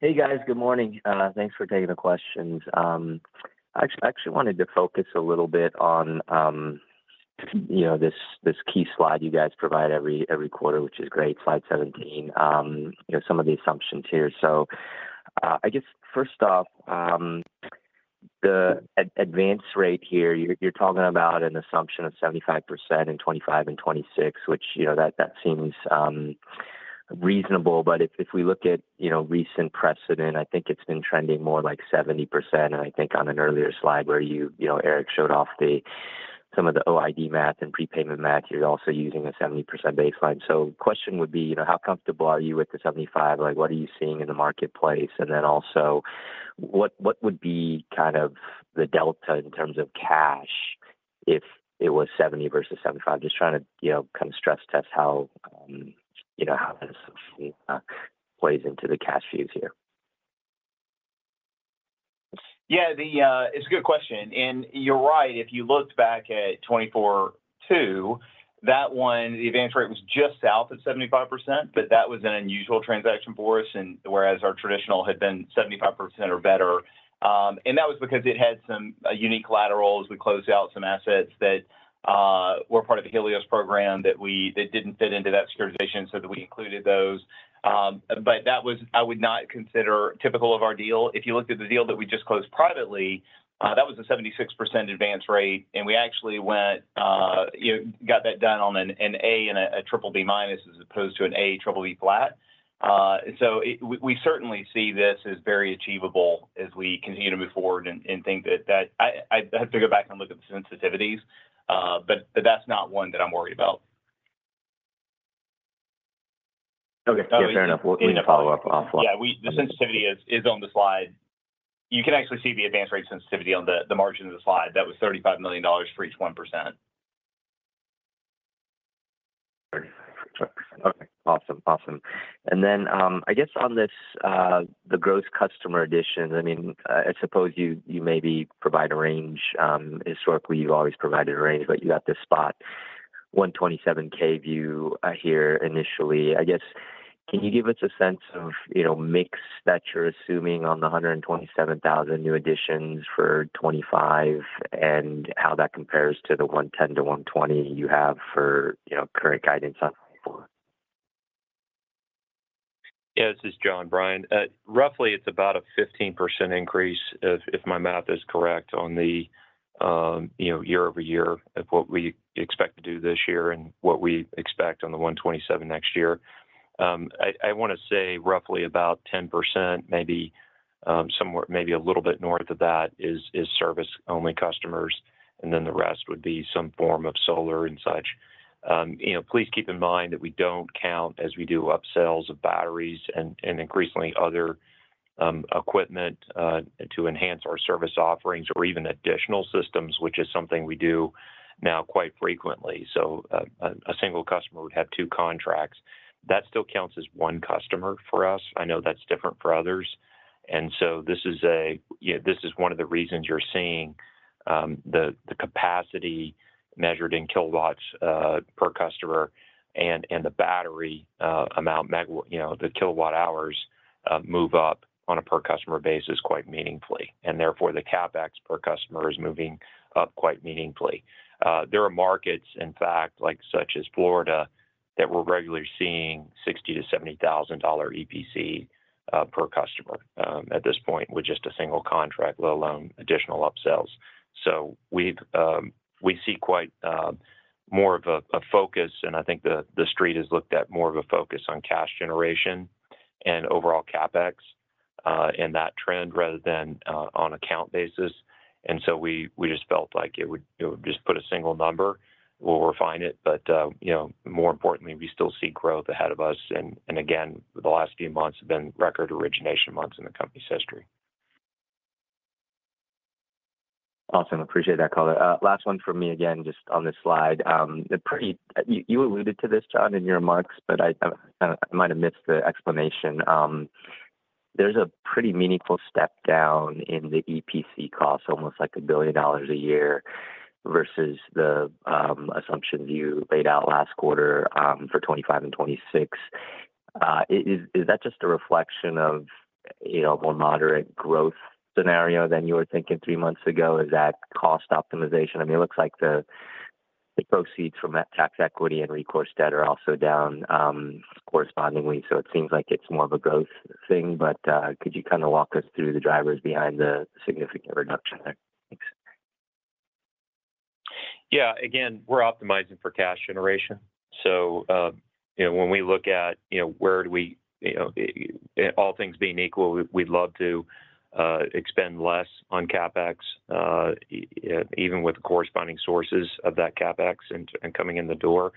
Hey, guys. Good morning. Thanks for taking the questions. I actually wanted to focus a little bit on this key slide you guys provide every quarter, which is great, slide 17, some of the assumptions here. So I guess, first off, the advance rate here, you're talking about an assumption of 75% in 2025 and 2026, which that seems reasonable. But if we look at recent precedent, I think it's been trending more like 70%. And I think on an earlier slide where you, Eric, showed off some of the OID math and prepayment math, you're also using a 70% baseline. So the question would be, how comfortable are you with the 75%? What are you seeing in the marketplace? And then also, what would be kind of the delta in terms of cash if it was 70% versus 75%? Just trying to kind of stress test how this plays into the cash views here. Yeah, it's a good question. And you're right. If you looked back at '24-2, that one, the advance rate was just south at 75%, but that was an unusual transaction for us, whereas our traditional had been 75% or better. And that was because it had some unique collaterals. We closed out some assets that were part of the Helios program that didn't fit into that securitization, so that we included those. But that was, I would not consider typical of our deal. If you looked at the deal that we just closed privately, that was a 76% advance rate. And we actually got that done on an A and a BBB minus as opposed to an A BBB flat. So we certainly see this as very achievable as we continue to move forward and think that I have to go back and look at the sensitivities, but that's not one that I'm worried about. Okay. Fair enough. We can follow up offline. Yeah. The sensitivity is on the slide. You can actually see the advance rate sensitivity on the margin of the slide. That was $35 million for each 1%. Okay. Awesome. Awesome. And then I guess on the gross customer additions, I mean, I suppose you maybe provide a range. Historically, you've always provided a range, but you got this spot, 127K view here initially. I guess, can you give us a sense of mix that you're assuming on the 127,000 new additions for 2025 and how that compares to the 110 to 120 you have for current guidance on 2024? Yeah. This is John. Brian, roughly, it's about a 15% increase, if my math is correct, on the year-over-year of what we expect to do this year and what we expect on the 127 next year. I want to say roughly about 10%, maybe a little bit north of that is service-only customers, and then the rest would be some form of solar and such. Please keep in mind that we don't count as we do upsells of batteries and increasingly other equipment to enhance our service offerings or even additional systems, which is something we do now quite frequently. So a single customer would have two contracts. That still counts as one customer for us. I know that's different for others. This is one of the reasons you're seeing the capacity measured in kilowatts per customer and the battery amount, the kilowatt-hours move up on a per-customer basis quite meaningfully. And therefore, the CapEx per customer is moving up quite meaningfully. There are markets, in fact, such as Florida, that we're regularly seeing $60,000-$70,000 EPC per customer at this point with just a single contract, let alone additional upsells. So we see quite more of a focus, and I think the Street has looked at more of a focus on cash generation and overall CapEx and that trend rather than on account basis. And so we just felt like it would just put a single number. We'll refine it. But more importantly, we still see growth ahead of us. And again, the last few months have been record origination months in the company's history. Awesome. Appreciate that, color. Last one for me again, just on this slide. You alluded to this, John, in your remarks, but I might have missed the explanation. There's a pretty meaningful step down in the EPC cost, almost like $1 billion a year versus the assumption you laid out last quarter for 2025 and 2026. Is that just a reflection of a more moderate growth scenario than you were thinking three months ago? Is that cost optimization? I mean, it looks like the proceeds from that tax equity and recourse debt are also down correspondingly. So it seems like it's more of a growth thing. But could you kind of walk us through the drivers behind the significant reduction there? Yeah. Again, we're optimizing for cash generation. So when we look at all things being equal, we'd love to expend less on CapEx, even with the corresponding sources of that CapEx and coming in the door.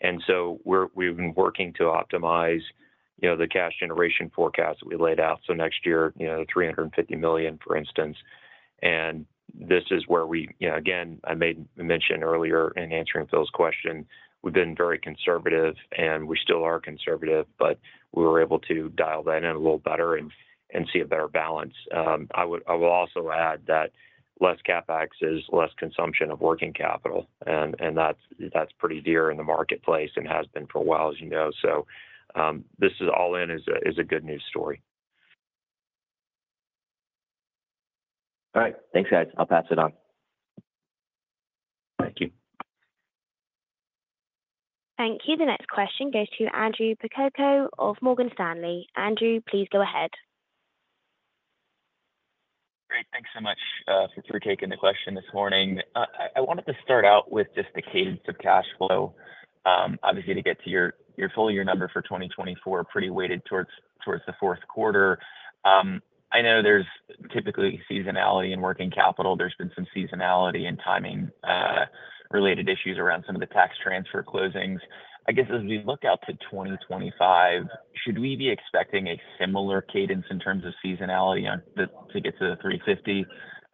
And so we've been working to optimize the cash generation forecast that we laid out. So next year, $350 million, for instance. And this is where we, again, I made mention earlier in answering Phil's question, we've been very conservative, and we still are conservative, but we were able to dial that in a little better and see a better balance. I will also add that less CapEx is less consumption of working capital. And that's pretty dear in the marketplace and has been for a while, as you know. So this is all in all a good news story. All right. Thanks, guys. I'll pass it on. Thank you. Thank you. The next question goes to Andrew Percoco of Morgan Stanley. Andrew, please go ahead. Great. Thanks so much for taking the question this morning. I wanted to start out with just the cadence of cash flow, obviously, to get to your full year number for 2024, pretty weighted towards the fourth quarter. I know there's typically seasonality in working capital. There's been some seasonality and timing-related issues around some of the tax transfer closings. I guess as we look out to 2025, should we be expecting a similar cadence in terms of seasonality to get to the 350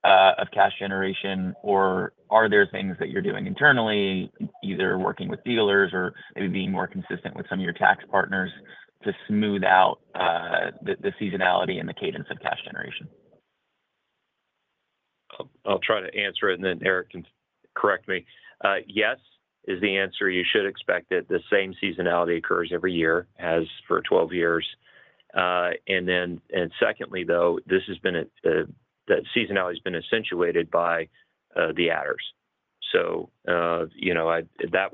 of cash generation, or are there things that you're doing internally, either working with dealers or maybe being more consistent with some of your tax partners to smooth out the seasonality and the cadence of cash generation? I'll try to answer it, and then Eric can correct me. Yes, is the answer. You should expect that the same seasonality occurs every year as for 12 years. And secondly, though, this has been that seasonality has been accentuated by the adders. So that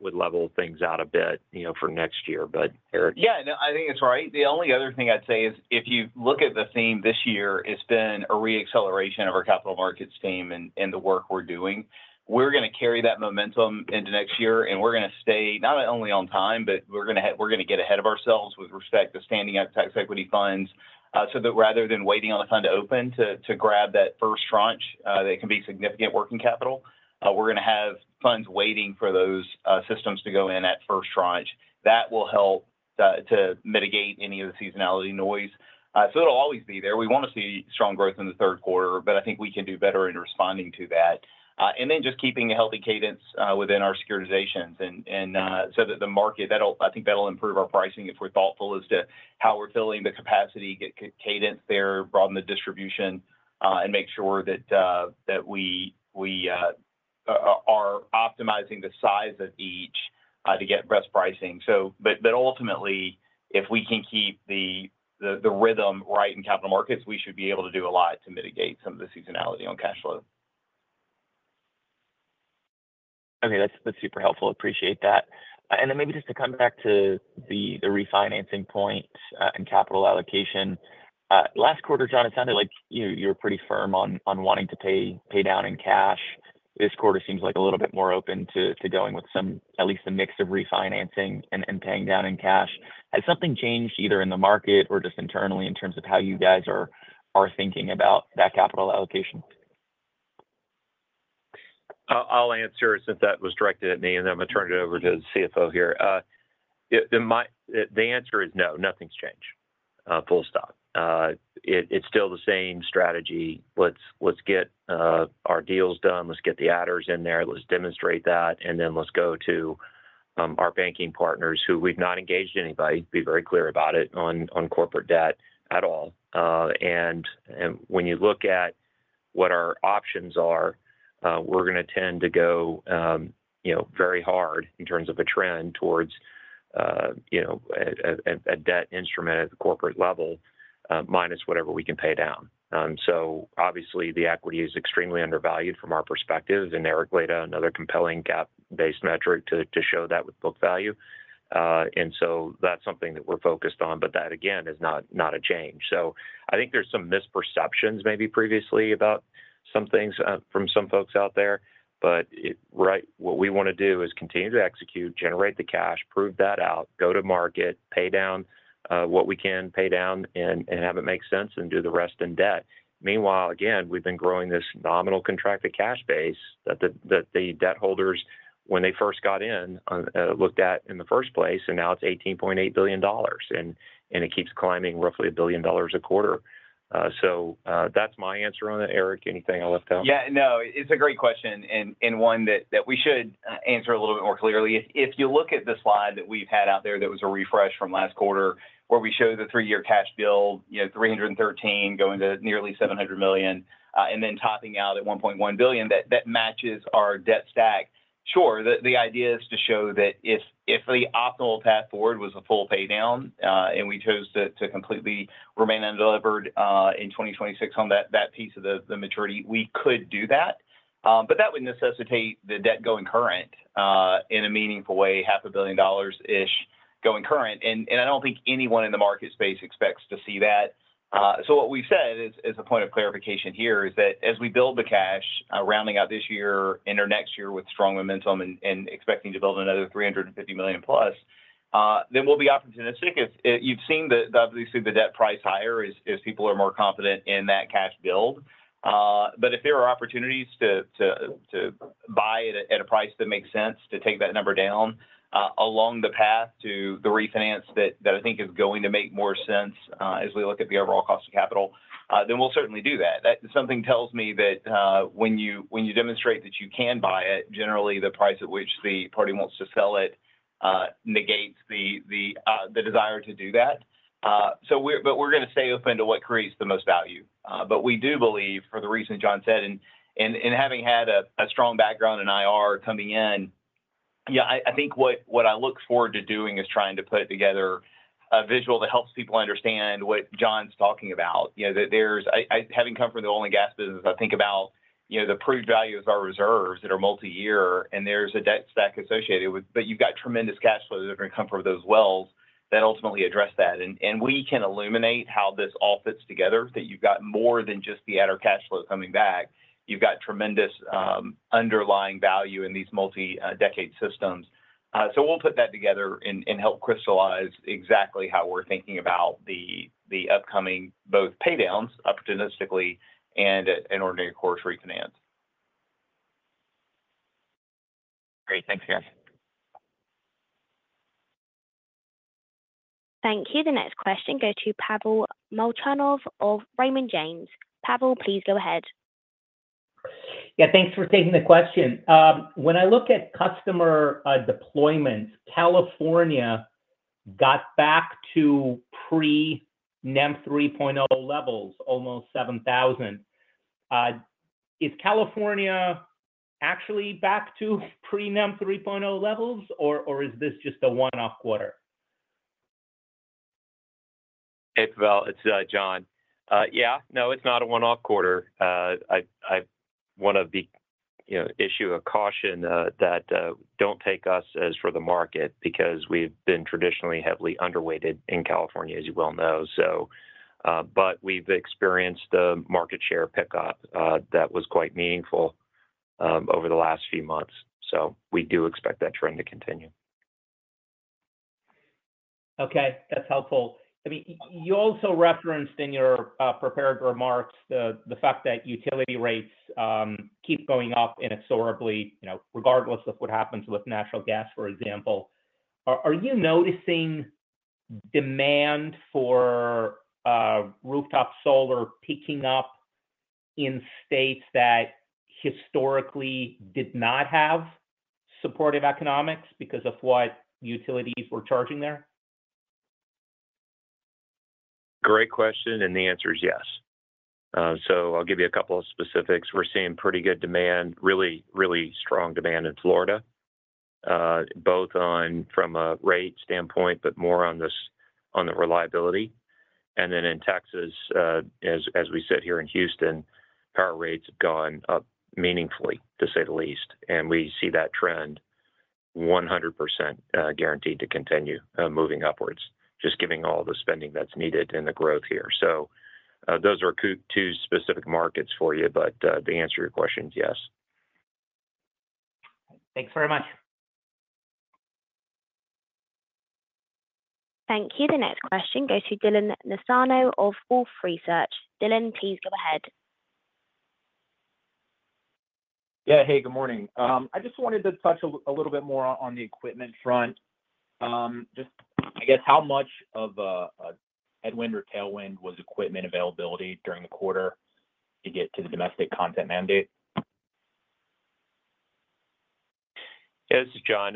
would level things out a bit for next year. But Eric. Yeah. No, I think it's right. The only other thing I'd say is if you look at the theme this year, it's been a re-acceleration of our capital markets theme and the work we're doing. We're going to carry that momentum into next year, and we're going to stay not only on time, but we're going to get ahead of ourselves with respect to standing up tax equity funds so that rather than waiting on a fund to open to grab that first tranche that can be significant working capital, we're going to have funds waiting for those systems to go in at first tranche. That will help to mitigate any of the seasonality noise. So it'll always be there. We want to see strong growth in the third quarter, but I think we can do better in responding to that. And then just keeping a healthy cadence within our securitizations so that the market, I think that'll improve our pricing if we're thoughtful as to how we're filling the capacity, cadence there, broaden the distribution, and make sure that we are optimizing the size of each to get best pricing. But ultimately, if we can keep the rhythm right in capital markets, we should be able to do a lot to mitigate some of the seasonality on cash flow. Okay. That's super helpful. Appreciate that. And then maybe just to come back to the refinancing point and capital allocation. Last quarter, John, it sounded like you were pretty firm on wanting to pay down in cash. This quarter seems like a little bit more open to going with at least a mix of refinancing and paying down in cash. Has something changed either in the market or just internally in terms of how you guys are thinking about that capital allocation? I'll answer since that was directed at me, and then I'm going to turn it over to the CFO here. The answer is no. Nothing's changed. Full stop. It's still the same strategy. Let's get our deals done. Let's get the adders in there. Let's demonstrate that. And then let's go to our banking partners who we've not engaged anybody, be very clear about it, on corporate debt at all. When you look at what our options are, we're going to tend to go very hard in terms of a trend towards a debt instrument at the corporate level, minus whatever we can pay down. Obviously, the equity is extremely undervalued from our perspective. Eric laid out another compelling GAAP-based metric to show that with book value. That's something that we're focused on. That, again, is not a change. I think there's some misperceptions maybe previously about some things from some folks out there. What we want to do is continue to execute, generate the cash, prove that out, go to market, pay down what we can pay down and have it make sense, and do the rest in debt. Meanwhile, again, we've been growing this nominal contracted cash base that the debt holders, when they first got in, looked at in the first place, and now it's $18.8 billion. And it keeps climbing roughly a billion dollars a quarter. So that's my answer on that, Eric. Anything I left out? Yeah. No, it's a great question. And one that we should answer a little bit more clearly. If you look at the slide that we've had out there that was a refresh from last quarter where we showed the three-year cash build, $313 million going to nearly $700 million, and then topping out at $1.1 billion, that matches our debt stack. Sure. The idea is to show that if the optimal path forward was a full pay down, and we chose to completely remain unlevered in 2026 on that piece of the maturity, we could do that. But that would necessitate the debt going current in a meaningful way, $500 million-ish going current. And I don't think anyone in the market space expects to see that. So what we've said as a point of clarification here is that as we build the cash, rounding out this year and/or next year with strong momentum and expecting to build another $350 million+, then we'll be opportunistic. You've seen obviously the debt price higher as people are more confident in that cash build. But if there are opportunities to buy at a price that makes sense to take that number down along the path to the refinance that I think is going to make more sense as we look at the overall cost of capital, then we'll certainly do that. Something tells me that when you demonstrate that you can buy it, generally, the price at which the party wants to sell it negates the desire to do that. But we're going to stay open to what creates the most value. But we do believe, for the reason John said, and having had a strong background in IR coming in, yeah, I think what I look forward to doing is trying to put together a visual that helps people understand what John's talking about. Having come from the oil and gas business, I think about the prudent value of our reserves that are multi-year, and there's a debt stack associated with, but you've got tremendous cash flow that are going to come from those wells that ultimately address that, and we can illuminate how this all fits together, that you've got more than just the added cash flow coming back. You've got tremendous underlying value in these multi-decade systems. So we'll put that together and help crystallize exactly how we're thinking about the upcoming both pay downs opportunistically and an ordinary course refinance. Great. Thanks, guys. Thank you. The next question goes to Pavel Molchanov of Raymond James. Pavel, please go ahead. Yeah. Thanks for taking the question. When I look at customer deployments, California got back to pre-NEM 3.0 levels, almost 7,000. Is California actually back to pre-NEM 3.0 levels, or is this just a one-off quarter? Hey, Pavel. It's John. Yeah. No, it's not a one-off quarter. I want to issue a caution that don't take us as for the market because we've been traditionally heavily underweighted in California, as you well know. But we've experienced a market share pickup that was quite meaningful over the last few months. So we do expect that trend to continue. Okay. That's helpful. I mean, you also referenced in your prepared remarks the fact that utility rates keep going up inexorably, regardless of what happens with natural gas, for example. Are you noticing demand for rooftop solar picking up in states that historically did not have supportive economics because of what utilities were charging th ere? Great question. And the answer is yes. So I'll give you a couple of specifics. We're seeing pretty good demand, really, really strong demand in Florida, both from a rate standpoint, but more on the reliability. And then in Texas, as we sit here in Houston, power rates have gone up meaningfully, to say the least. And we see that trend 100% guaranteed to continue moving upwards, just given all the spending that's needed in the growth here. So those are two specific markets for you. But the answer to your question is yes. Thanks very much. Thank you. The next question goes to Dylan Nassano of Wolfe Research. Dylan, please go ahead. Yeah. Hey, good morning. I just wanted to touch a little bit more on the equipment front. Just, I guess, how much of a headwind or tailwind was equipment availability during the quarter to get to the domestic content mandate? Yeah. This is John.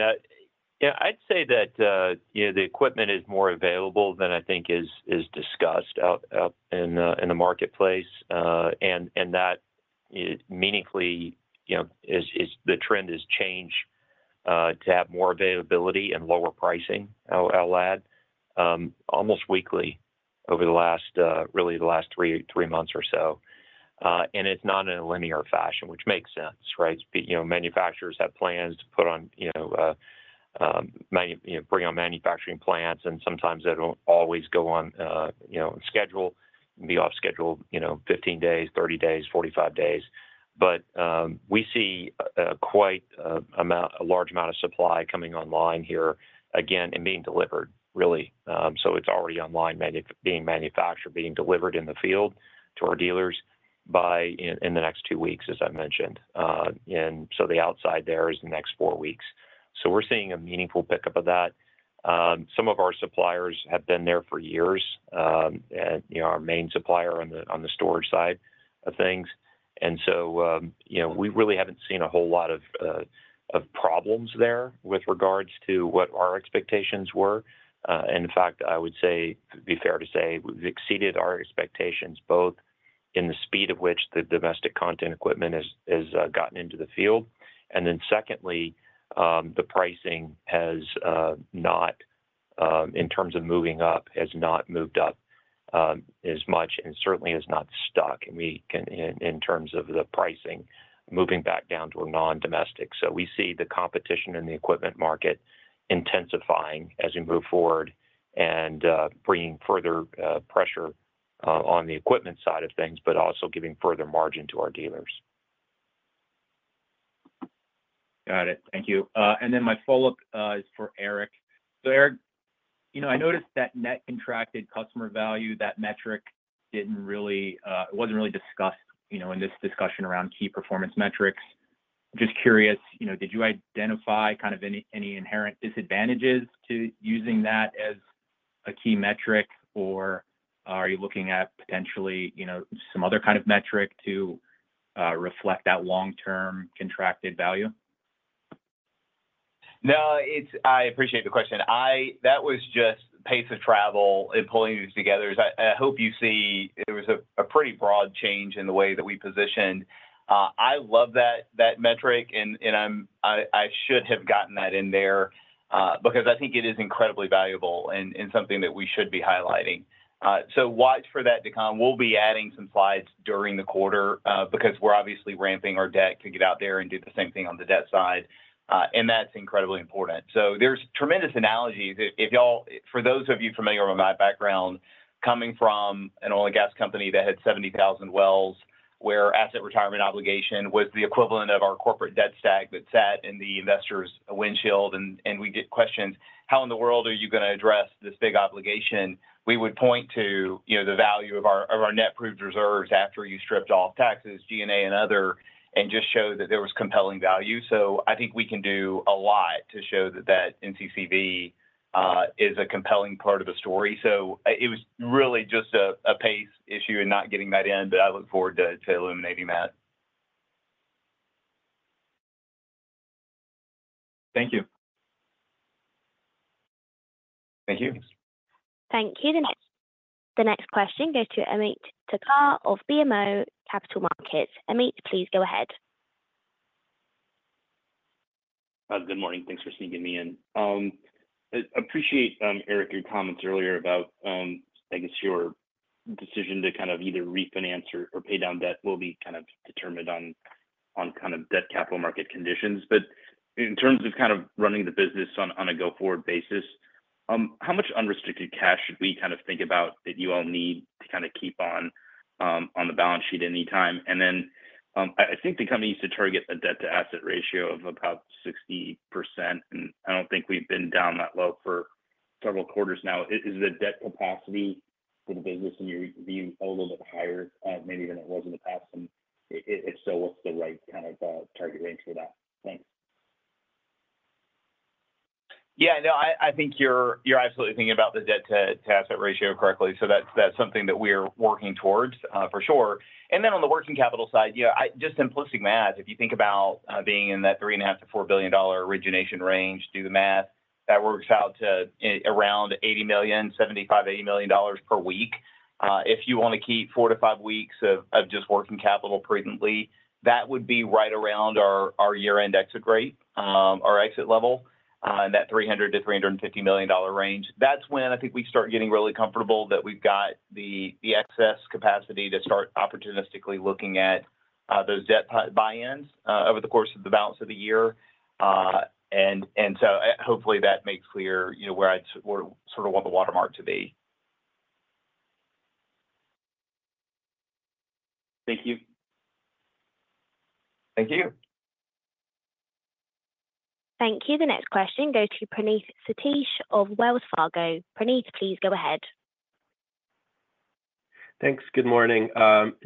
Yeah. I'd say that the equipment is more available than I think is discussed out in the marketplace. And that meaningfully is the trend has changed to have more availability and lower pricing, I'll add, almost weekly over really the last three months or so. And it's not in a linear fashion, which makes sense, right? Manufacturers have plans to bring on manufacturing plants, and sometimes they don't always go on schedule and be off schedule 15 days, 30 days, 45 days. But we see quite a large amount of supply coming online here, again, and being delivered, really. So it's already online being manufactured, being delivered in the field to our dealers in the next two weeks, as I mentioned. And so the upside there is the next four weeks. So we're seeing a meaningful pickup of that. Some of our suppliers have been there for years, our main supplier on the storage side of things. And so we really haven't seen a whole lot of problems there with regards to what our expectations were. And in fact, I would say, it'd be fair to say we've exceeded our expectations both in the speed of which the domestic content equipment has gotten into the field. And then secondly, the pricing has not, in terms of moving up, has not moved up as much and certainly has not stuck in terms of the pricing moving back down to a non-domestic. So we see the competition in the equipment market intensifying as we move forward and bringing further pressure on the equipment side of things, but also giving further margin to our dealers. Got it. Thank you. And then my follow-up is for Eric. So Eric, I noticed that Net Contracted Customer Value, that metric, it wasn't really discussed in this discussion around key performance metrics. Just curious, did you identify kind of any inherent disadvantages to using that as a key metric, or are you looking at potentially some other kind of metric to reflect that long-term contracted value? No, I appreciate the question. That was just pace of travel in pulling these together. I hope you see there was a pretty broad change in the way that we positioned. I love that metric, and I should have gotten that in there because I think it is incredibly valuable and something that we should be highlighting. So watch for that to come. We'll be adding some slides during the quarter because we're obviously ramping our debt to get out there and do the same thing on the debt side. And that's incredibly important. So there's tremendous analogies. For those of you familiar with my background, coming from an oil and gas company that had 70,000 wells where asset retirement obligation was the equivalent of our corporate debt stack that sat in the investor's windshield. And we get questions, "How in the world are you going to address this big obligation?" We would point to the value of our net proved reserves after you stripped off taxes, G&A, and other, and just show that there was compelling value. So I think we can do a lot to show that NCCV is a compelling part of the story. So it was really just a pace issue in not getting that in, but I look forward to illuminating that. Thank you. Thank you. Thank you. The next question goes to Ameet Thakkar of BMO Capital Markets. Ameet, please go ahead. Good morning. Thanks for sneaking me in. I appreciate, Eric, your comments earlier about, I guess, your decision to kind of either refinance or pay down debt will be kind of determined on kind of debt capital market conditions. But in terms of kind of running the business on a go-forward basis, how much unrestricted cash should we kind of think about that you all need to kind of keep on the balance sheet anytime? And then I think the company used to target a debt-to-asset ratio of about 60%. And I don't think we've been down that low for several quarters now. Is the debt capacity for the business, in your view, a little bit higher maybe than it was in the past? And if so, what's the right kind of target range for that? Thanks. Yeah. No, I think you're absolutely thinking about the debt-to-asset ratio correctly. So that's something that we are working towards, for sure. And then on the working capital side, just simplistic math, if you think about being in that $3.5 billion-$4 billion origination range, do the math, that works out to around $75 million-$80 million per week. If you want to keep four to five weeks of just working capital prudently, that would be right around our year-end exit rate, our exit level, in that $300 million-$350 million range. That's when I think we start getting really comfortable that we've got the excess capacity to start opportunistically looking at those debt buy-ins over the course of the balance of the year. And so hopefully that makes clear where I'd sort of want the watermark to be. Thank you. Thank you. Thank you. The next question goes to Praneeth Satish of Wells Fargo. Praneeth, please go ahead. Thanks. Good morning.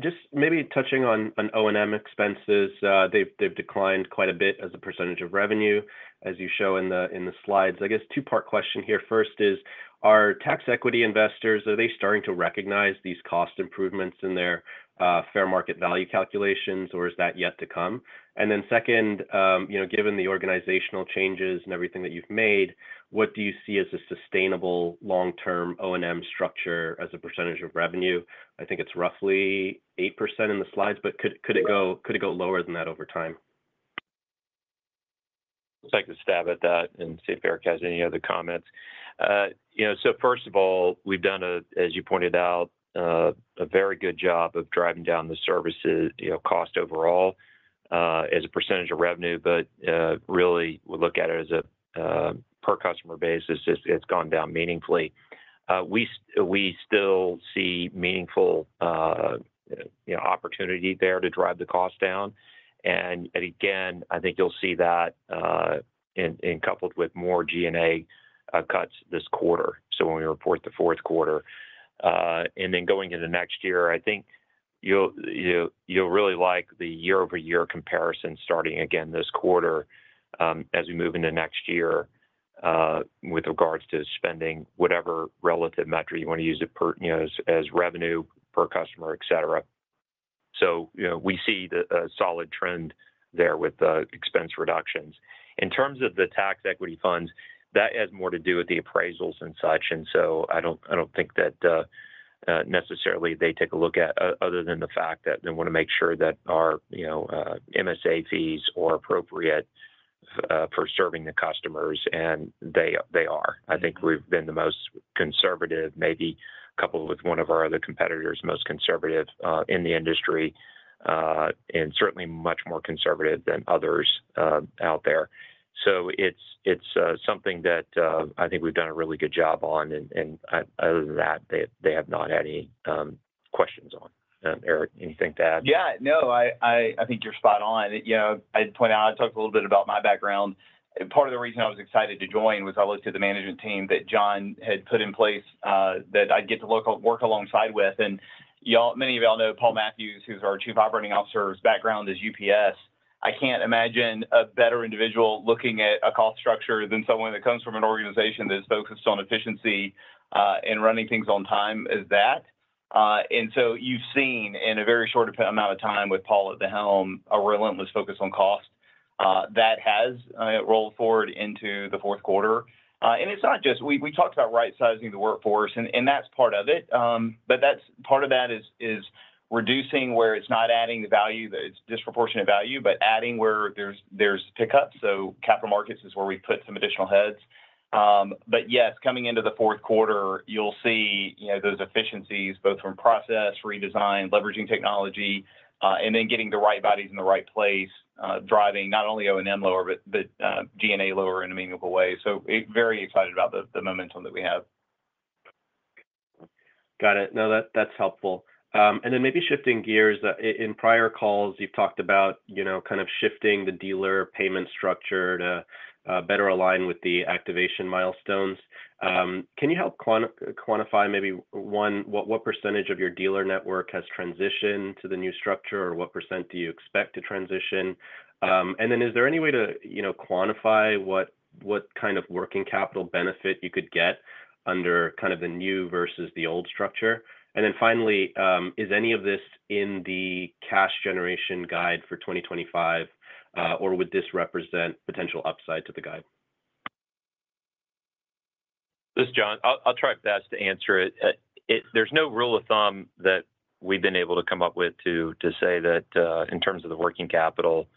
Just maybe touching on O&M expenses, they've declined quite a bit as a percentage of revenue, as you show in the slides. I guess two-part question here. First is, are tax equity investors, are they starting to recognize these cost improvements in their fair market value calculations, or is that yet to come? And then second, given the organizational changes and everything that you've made, what do you see as a sustainable long-term O&M structure as a percentage of revenue? I think it's roughly 8% in the slides, but could it go lower than that over time? I'd like to stab at that and see if Eric has any other comments. So first of all, we've done, as you pointed out, a very good job of driving down the services cost overall as a percentage of revenue. But really, we look at it as a per-customer basis. It's gone down meaningfully. We still see meaningful opportunity there to drive the cost down. And again, I think you'll see that coupled with more G&A cuts this quarter, so when we report the fourth quarter. And then going into next year, I think you'll really like the year-over-year comparison starting again this quarter as we move into next year with regards to spending, whatever relative metric you want to use as revenue per customer, etc. So we see a solid trend there with expense reductions. In terms of the tax equity funds, that has more to do with the appraisals and such. And so I don't think that necessarily they take a look at other than the fact that they want to make sure that our MSA fees are appropriate for serving the customers. And they are. I think we've been the most conservative, maybe coupled with one of our other competitors, most conservative in the industry, and certainly much more conservative than others out there. So it's something that I think we've done a really good job on. Other than that, they have not had any questions on. Eric, anything to add? Yeah. No, I think you're spot on. I point out, I talked a little bit about my background. Part of the reason I was excited to join was I looked at the management team that John had put in place that I'd get to work alongside with. Many of y'all know Paul Matthews, who's our Chief Operating Officer's background is UPS. I can't imagine a better individual looking at a cost structure than someone that comes from an organization that is focused on efficiency and running things on time as that. And so you've seen in a very short amount of time with Paul at the helm a relentless focus on cost. That has rolled forward into the fourth quarter. And it's not just we talked about right-sizing the workforce, and that's part of it. But part of that is reducing where it's not adding the value, the disproportionate value, but adding where there's pickup. So capital markets is where we put some additional heads. But yes, coming into the fourth quarter, you'll see those efficiencies both from process, redesign, leveraging technology, and then getting the right bodies in the right place, driving not only O&M lower but G&A lower in a meaningful way. So very excited about the momentum that we have. Got it. No, that's helpful. Then maybe shifting gears, in prior calls, you've talked about kind of shifting the dealer payment structure to better align with the activation milestones. Can you help quantify maybe what percentage of your dealer network has transitioned to the new structure, or what percent do you expect to transition? And then is there any way to quantify what kind of working capital benefit you could get under kind of the new versus the old structure? And then finally, is any of this in the cash generation guide for 2025, or would this represent potential upside to the guide? This is John. I'll try best to answer it. There's no rule of thumb that we've been able to come up with to say that in terms of the working capital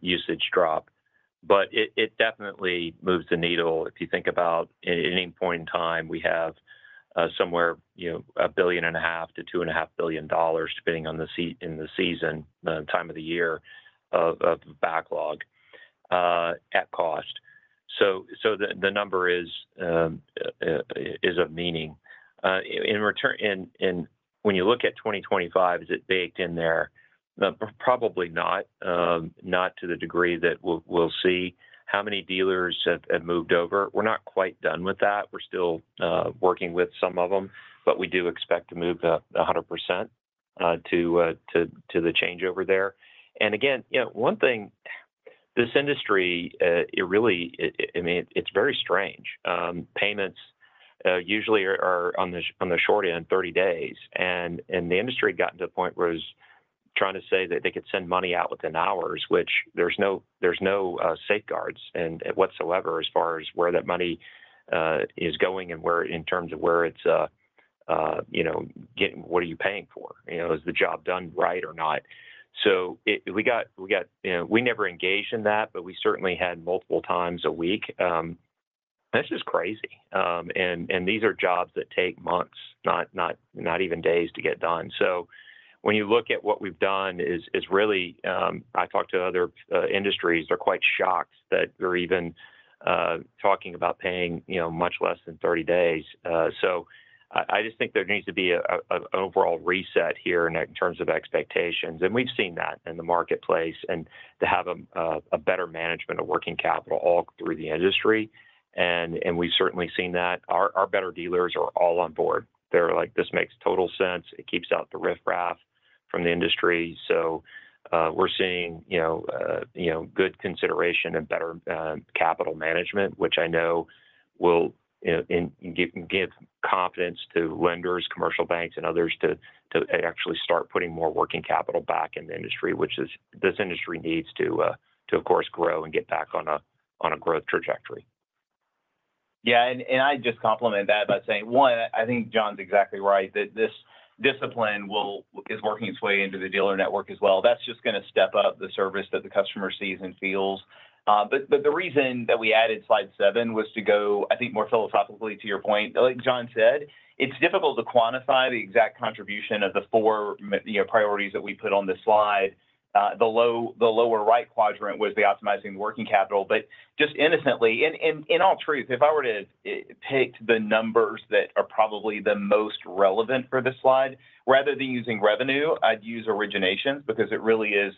usage drop. But it definitely moves the needle if you think about at any point in time, we have somewhere $1.5 billion-$2.5 billion, depending on the season, the time of the year of backlog at cost. So the number is of meaning. And when you look at 2025, is it baked in there? Probably not, not to the degree that we'll see. How many dealers have moved over? We're not quite done with that. We're still working with some of them, but we do expect to move 100% to the changeover there. And again, one thing, this industry, it really, I mean, it's very strange. Payments usually are on the short end, 30 days. And the industry had gotten to the point where it was trying to say that they could send money out within hours, which there's no safeguards whatsoever as far as where that money is going and in terms of where it's getting. What are you paying for? Is the job done right or not? So we never engaged in that, but we certainly had multiple times a week. This is crazy. And these are jobs that take months, not even days to get done. So when you look at what we've done is really, I talked to other industries. They're quite shocked that they're even talking about paying much less than 30 days. So I just think there needs to be an overall reset here in terms of expectations. And we've seen that in the marketplace and to have a better management of working capital all through the industry. And we've certainly seen that. Our better dealers are all on board. They're like, "This makes total sense. It keeps out the riff-raff from the industry." So we're seeing good consideration and better capital management, which I know will give confidence to lenders, commercial banks, and others to actually start putting more working capital back in the industry, which this industry needs to, of course, grow and get back on a growth trajectory. Yeah, and I'd just complement that by saying, one, I think John's exactly right that this discipline is working its way into the dealer network as well. That's just going to step up the service that the customer sees and feels. But the reason that we added slide seven was to go, I think, more philosophically to your point. Like John said, it's difficult to quantify the exact contribution of the four priorities that we put on this slide. The lower right quadrant was the optimizing working capital. But just innocently, in all truth, if I were to pick the numbers that are probably the most relevant for this slide, rather than using revenue, I'd use originations because it really is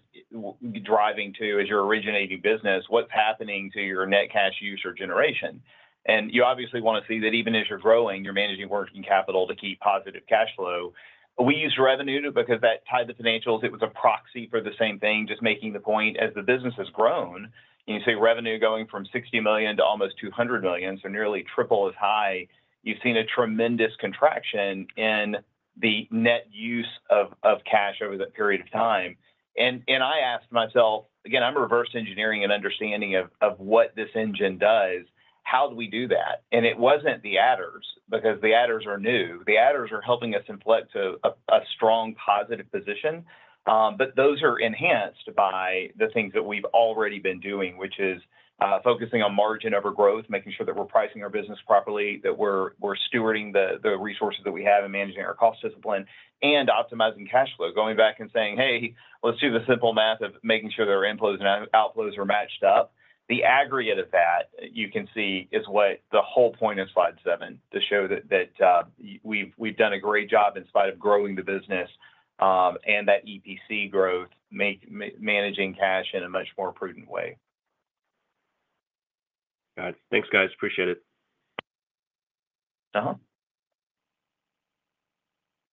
driving to, as you're originating business, what's happening to your net cash use or generation. And you obviously want to see that even as you're growing, you're managing working capital to keep positive cash flow. We used revenue because that tied the financials. It was a proxy for the same thing, just making the point as the business has grown. You see revenue going from $60 million to almost $200 million, so nearly triple as high. You've seen a tremendous contraction in the net use of cash over that period of time. And I asked myself, again, I'm reverse engineering and understanding of what this engine does. How do we do that? And it wasn't the adders because the adders are new. The adders are helping us inflect a strong positive position. But those are enhanced by the things that we've already been doing, which is focusing on margin overgrowth, making sure that we're pricing our business properly, that we're stewarding the resources that we have and managing our cost discipline, and optimizing cash flow, going back and saying, "Hey, let's do the simple math of making sure that our inflows and outflows are matched up." The aggregate of that, you can see, is what the whole point of slide seven, to show that we've done a great job in spite of growing the business and that EPC growth, managing cash in a much more prudent way. Got it. Thanks, guys. Appreciate it.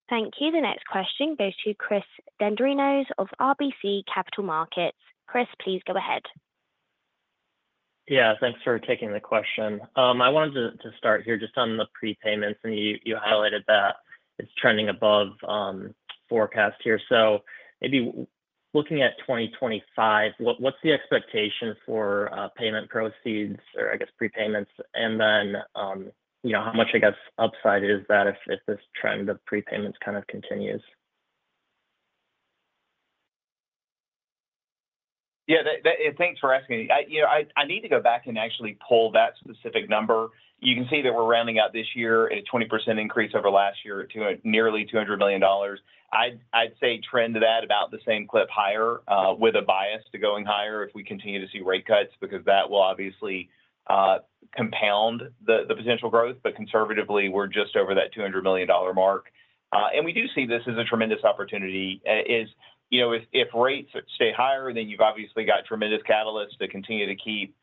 Thank you. The next question goes to Chris Dendrinos of RBC Capital Markets. Chris, please go ahead. Yeah. Thanks for taking the question. I wanted to start here just on the prepayments, and you highlighted that it's trending above forecast here. So maybe looking at 2025, what's the expectation for payment proceeds or, I guess, prepayments? And then how much, I guess, upside is that if this trend of prepayments kind of continues? Yeah. Thanks for asking. I need to go back and actually pull that specific number. You can see that we're rounding out this year at a 20% increase over last year to nearly $200 million. I'd say trend to that about the same clip higher with a bias to going higher if we continue to see rate cuts because that will obviously compound the potential growth. But conservatively, we're just over that $200 million mark. We do see this as a tremendous opportunity. If rates stay higher, then you've obviously got tremendous catalysts to continue to keep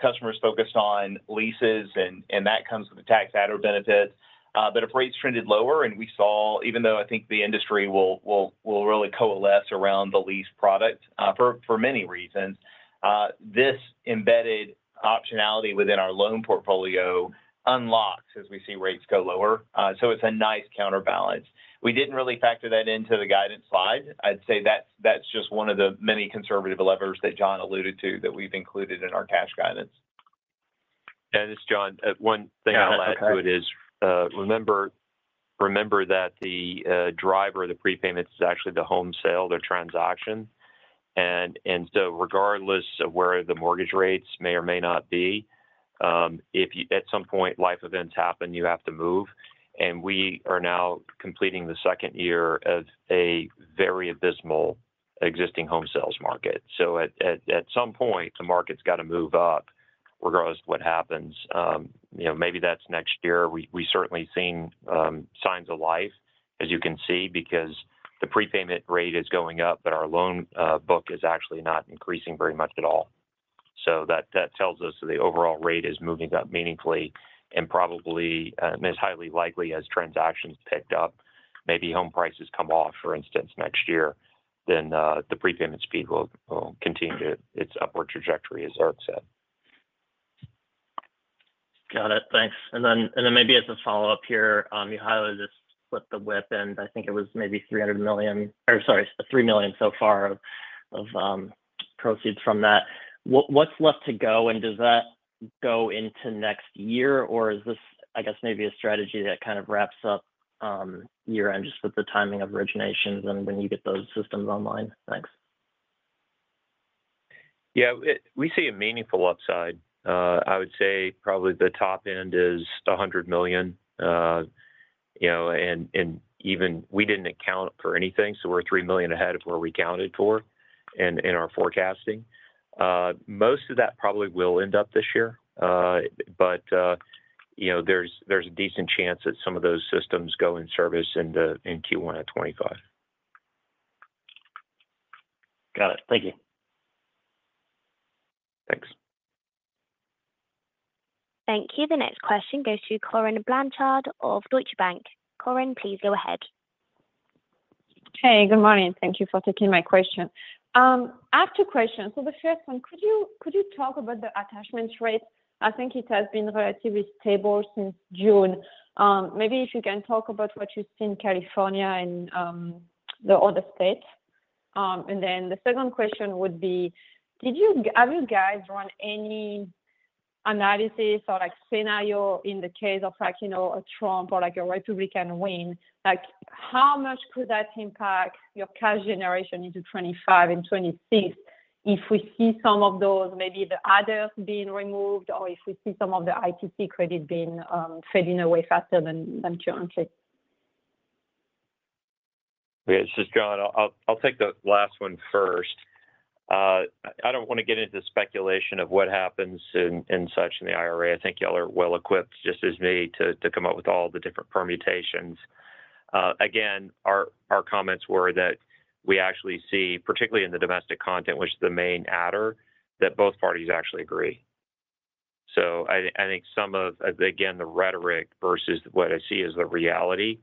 customers focused on leases, and that comes with the tax added benefits. But if rates trended lower, and we saw, even though I think the industry will really coalesce around the lease product for many reasons, this embedded optionality within our loan portfolio unlocks as we see rates go lower. So it's a nice counterbalance. We didn't really factor that into the guidance slide. I'd say that's just one of the many conservative levers that John alluded to that we've included in our cash guidance. And this is John. One thing I'll add to it is remember that the driver of the prepayments is actually the home sale, the transaction. And so regardless of where the mortgage rates may or may not be, if at some point life events happen, you have to move. We are now completing the second year of a very abysmal existing home sales market. At some point, the market's got to move up regardless of what happens. Maybe that's next year. We've certainly seen signs of life, as you can see, because the prepayment rate is going up, but our loan book is actually not increasing very much at all. That tells us that the overall rate is moving up meaningfully and probably is highly likely as transactions picked up. Maybe home prices come off, for instance, next year, then the prepayment speed will continue to its upward trajectory, as Eric said. Got it. Thanks. Then maybe as a follow-up here, you highlighted this with flip the WIP, and I think it was maybe $300 million or sorry, $3 million so far of proceeds from that. What's left to go? And does that go into next year, or is this, I guess, maybe a strategy that kind of wraps up year-end just with the timing of originations and when you get those systems online? Thanks. Yeah. We see a meaningful upside. I would say probably the top end is $100 million. And even we didn't account for anything, so we're $3 million ahead of where we counted for in our forecasting. Most of that probably will end up this year, but there's a decent chance that some of those systems go in service in Q1 2025. Got it. Thank you. Thanks. Thank you. The next question goes to Corinne Blanchard of Deutsche Bank. Corinne, please go ahead. Hey, good morning. Thank you for taking my question. I have two questions. So the first one, could you talk about the attachment rate? I think it has been relatively stable since June. Maybe if you can talk about what you see in California and the other states? And then the second question would be, have you guys run any analysis or scenario in the case of Trump or a Republican win? How much could that impact your cash generation into 2025 and 2026 if we see some of those, maybe the adders being removed, or if we see some of the ITC credit being fading away faster than currently? Okay. This is John Berger. I'll take the last one first. I don't want to get into the speculation of what happens and such in the IRA. I think y'all are well equipped, just as me, to come up with all the different permutations. Again, our comments were that we actually see, particularly in the domestic content, which is the main adder, that both parties actually agree. So I think some of, again, the rhetoric versus what I see as the reality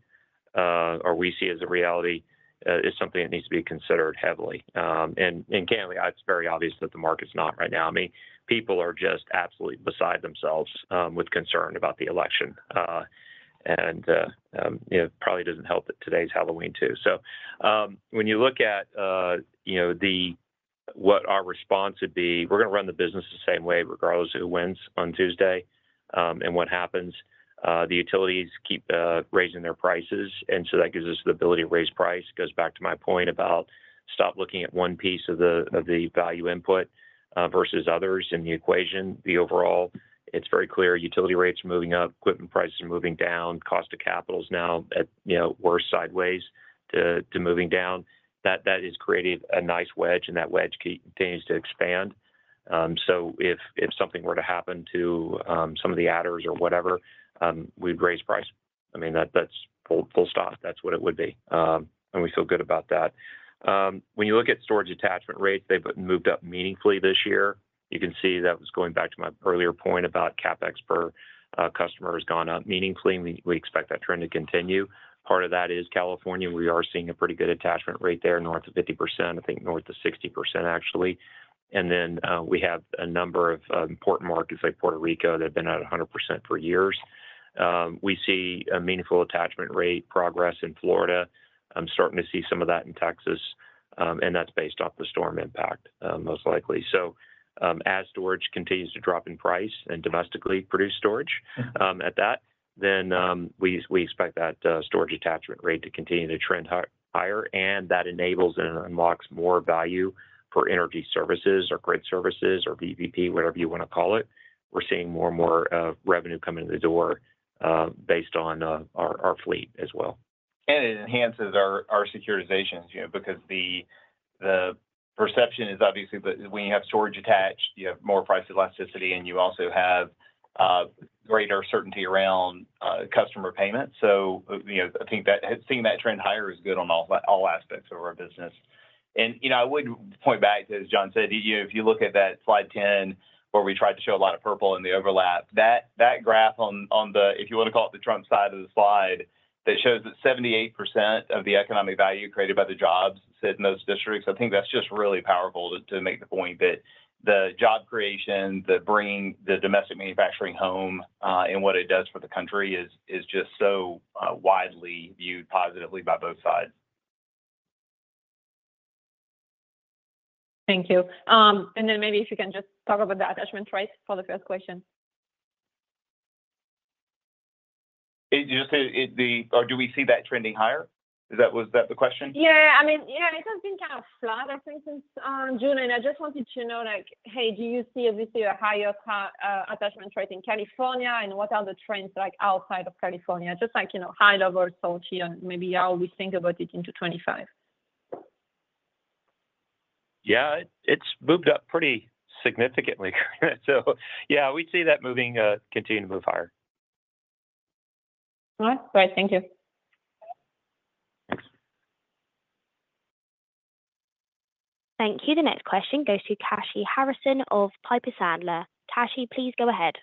or we see as the reality is something that needs to be considered heavily, and candidly, it's very obvious that the market's not right now. I mean, people are just absolutely beside themselves with concern about the election, and it probably doesn't help that today's Halloween too. So when you look at what our response would be, we're going to run the business the same way regardless of who wins on Tuesday and what happens. The utilities keep raising their prices, and so that gives us the ability to raise price. It goes back to my point about stop looking at one piece of the value input versus others in the equation. The overall, it's very clear utility rates are moving up, equipment prices are moving down, cost of capital is now at worst sideways to moving down. That has created a nice wedge, and that wedge continues to expand. So if something were to happen to some of the adders or whatever, we'd raise price. I mean, that's full stop. That's what it would be. And we feel good about that. When you look at storage attachment rates, they've moved up meaningfully this year. You can see that was going back to my earlier point about CapEx per customer has gone up meaningfully, and we expect that trend to continue. Part of that is California. We are seeing a pretty good attachment rate there, north of 50%, I think north of 60%, actually. And then we have a number of important markets like Puerto Rico that have been at 100% for years. We see a meaningful attachment rate progress in Florida. I'm starting to see some of that in Texas, and that's based off the storm impact, most likely. So as storage continues to drop in price and domestically produce storage at that, then we expect that storage attachment rate to continue to trend higher. And that enables and unlocks more value for energy services or grid services or VPP, whatever you want to call it. We're seeing more and more revenue coming to the door based on our fleet as well. And it enhances our securitization because the perception is obviously that when you have storage attached, you have more price elasticity, and you also have greater certainty around customer payment. So I think seeing that trend higher is good on all aspects of our business. And I would point back to, as John said, if you look at that slide 10 where we tried to show a lot of purple in the overlap, that graph on the, if you want to call it the Trump side of the slide, that shows that 78% of the economic value created by the jobs sit in those districts. I think that's just really powerful to make the point that the job creation, the bringing the domestic manufacturing home and what it does for the country is just so widely viewed positively by both sides. Thank you. And then maybe if you can just talk about the attachment rate for the first question. Or do we see that trending higher? Was that the question? Yeah. I mean, yeah, it has been kind of flat, I think, since June. And I just wanted to know, hey, do you see obviously a higher attachment rate in California, and what are the trends outside of California? Just high-level thought here, and maybe how we think about it into 2025. Yeah. It's moved up pretty significantly. So yeah, we see that continuing to move higher. All right. Great. Thank you. Thanks. Thank you. The next question goes to Kashy Harrison of Piper Sandler. Kashy, please go ahead.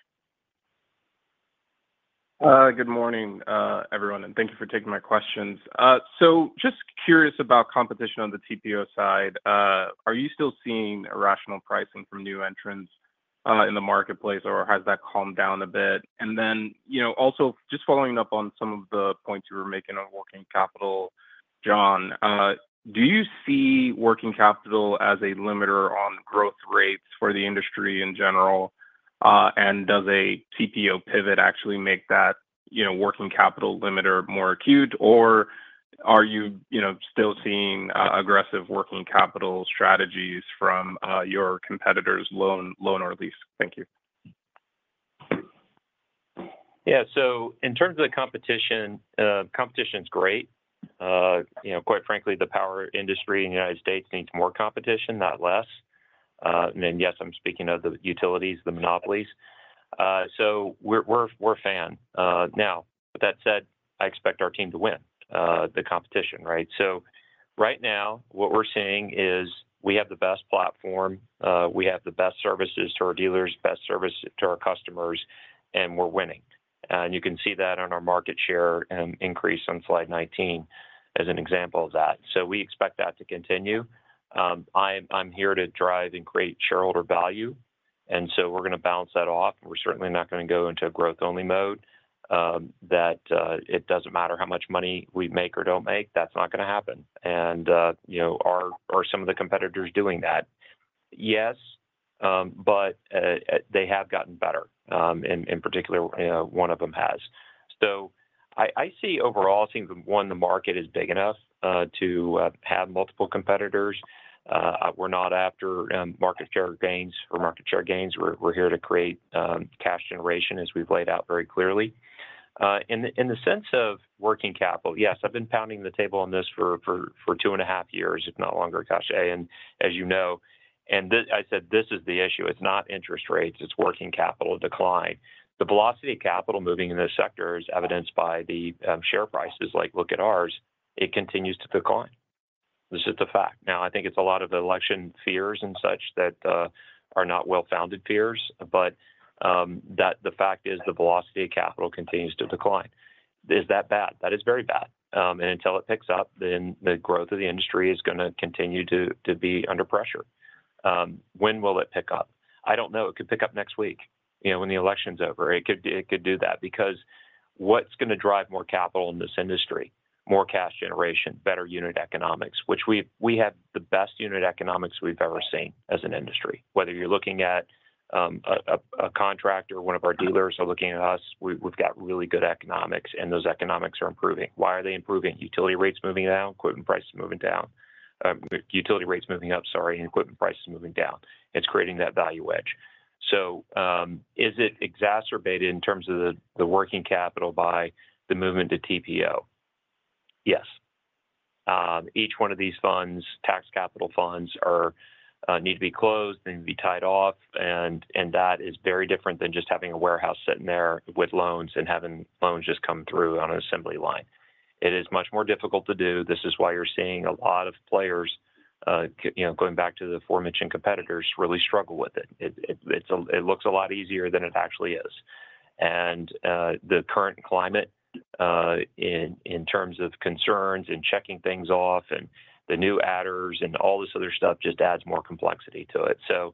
Good morning, everyone, and thank you for taking my questions. So just curious about competition on the TPO side. Are you still seeing irrational pricing from new entrants in the marketplace, or has that calmed down a bit? And then also just following up on some of the points you were making on working capital, John, do you see working capital as a limiter on growth rates for the industry in general? And does a TPO pivot actually make that working capital limiter more acute, or are you still seeing aggressive working capital strategies from your competitors' loan or lease? Thank you. Yeah. So in terms of the competition, competition is great. Quite frankly, the power industry in the United States needs more competition, not less. And then yes, I am speaking of the utilities, the monopolies. So we are a fan. Now, with that said, I expect our team to win the competition, right? So right now, what we are seeing is we have the best platform. We have the best services to our dealers, best service to our customers, and we are winning. And you can see that on our market share increase on slide 19 as an example of that. So we expect that to continue. I'm here to drive and create shareholder value. And so we're going to balance that off. We're certainly not going to go into a growth-only mode that it doesn't matter how much money we make or don't make. That's not going to happen. And are some of the competitors doing that? Yes, but they have gotten better, and in particular, one of them has. So I see overall, I think one, the market is big enough to have multiple competitors. We're not after market share gains or market share gains. We're here to create cash generation, as we've laid out very clearly. In the sense of working capital, yes, I've been pounding the table on this for two and a half years, if not longer, Kashy, and as you know, and I said, this is the issue. It's not interest rates. It's working capital decline. The velocity of capital moving in this sector is evidenced by the share prices. Look at ours. It continues to decline. This is the fact. Now, I think it's a lot of election fears and such that are not well-founded fears, but the fact is the velocity of capital continues to decline. Is that bad? That is very bad, and until it picks up, then the growth of the industry is going to continue to be under pressure. When will it pick up? I don't know. It could pick up next week when the election's over. It could do that because what's going to drive more capital in this industry? More cash generation, better unit economics, which we have the best unit economics we've ever seen as an industry. Whether you're looking at a contractor, one of our dealers or looking at us, we've got really good economics, and those economics are improving. Why are they improving? Utility rates moving down, equipment prices moving down. Utility rates moving up, sorry, and equipment prices moving down. It's creating that value edge. So is it exacerbated in terms of the working capital by the movement to TPO? Yes. Each one of these funds, tax capital funds, need to be closed. They need to be tied off. And that is very different than just having a warehouse sitting there with loans and having loans just come through on an assembly line. It is much more difficult to do. This is why you're seeing a lot of players, going back to the aforementioned competitors, really struggle with it. It looks a lot easier than it actually is, and the current climate in terms of concerns and checking things off and the new adders and all this other stuff just adds more complexity to it, so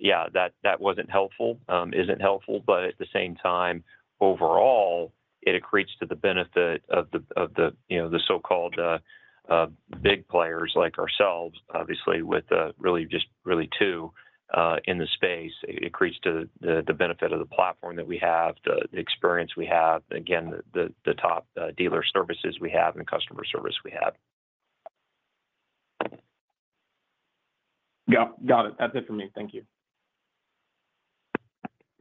yeah, that wasn't helpful, isn't helpful, but at the same time, overall, it accretes to the benefit of the so-called big players like ourselves, obviously, with really just two in the space. It accretes to the benefit of the platform that we have, the experience we have, again, the top dealer services we have and the customer service we have. Got it. That's it for me. Thank you.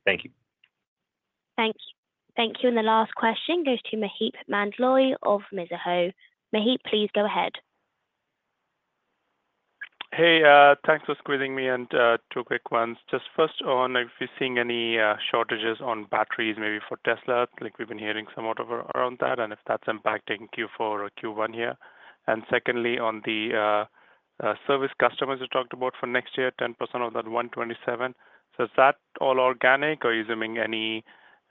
Thank you. Thanks. Thank you. And the last question goes to Maheep Mandloi of Mizuho. Maheep, please go ahead. Hey, thanks for squeezing me into two quick ones. Just first on, if you're seeing any shortages on batteries, maybe for Tesla, like we've been hearing somewhat around that, and if that's impacting Q4 or Q1 here. And secondly, on the service customers you talked about for next year, 10% of that 127. So is that all organic, or are you assuming any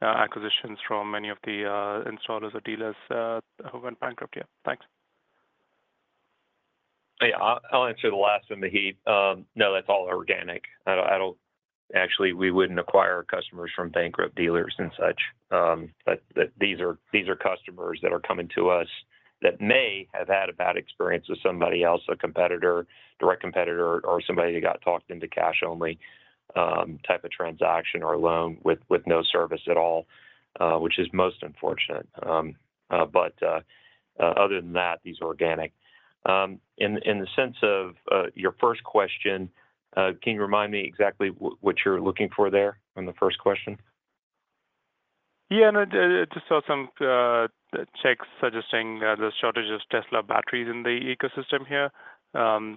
acquisitions from any of the installers or dealers who went bankrupt here? Thanks. Yeah, I'll answer the last one, Maheep. No, that's all organic. Actually, we wouldn't acquire customers from bankrupt dealers and such. These are customers that are coming to us that may have had a bad experience with somebody else, a direct competitor, or somebody that got talked into cash-only type of transaction or loan with no service at all, which is most unfortunate. But other than that, these are organic. In the sense of your first question, can you remind me exactly what you're looking for there on the first question? Yeah, just some checks suggesting the shortage of Tesla batteries in the ecosystem here. I'm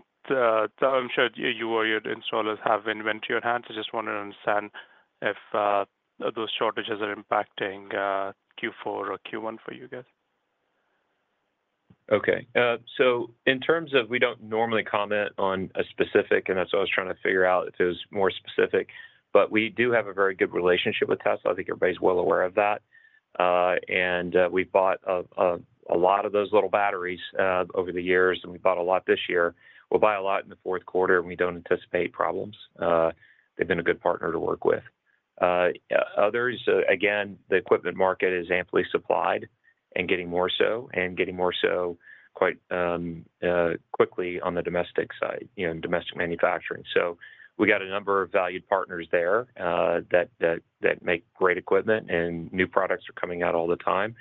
sure you or your installers have been up to your hands. I just want to understand if those shortages are impacting Q4 or Q1 for you guys. Okay, so in terms of we don't normally comment on a specific, and that's what I was trying to figure out if it was more specific, but we do have a very good relationship with Tesla. I think everybody's well aware of that, and we bought a lot of those little batteries over the years, and we bought a lot this year. We'll buy a lot in the fourth quarter, and we don't anticipate problems. They've been a good partner to work with. Others, again, the equipment market is amply supplied and getting more so and getting more so quite quickly on the domestic side and domestic manufacturing. So we got a number of valued partners there that make great equipment, and new products are coming out all the time.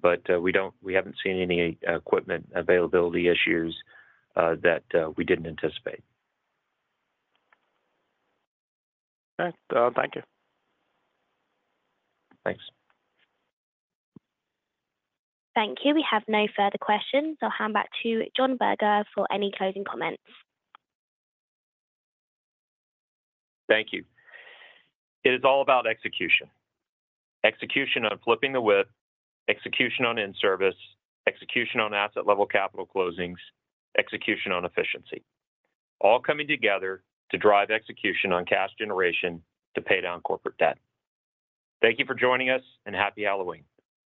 But we haven't seen any equipment availability issues that we didn't anticipate. Thank you. Thanks. Thank you. We have no further questions. I'll hand back to John Berger for any closing comments. Thank you. It is all about execution. Execution on flip the WIP, execution O&M service, execution on asset-level capital closings, execution on efficiency. All coming together to drive execution on cash generation to pay down corporate debt. Thank you for joining us, and happy Halloween.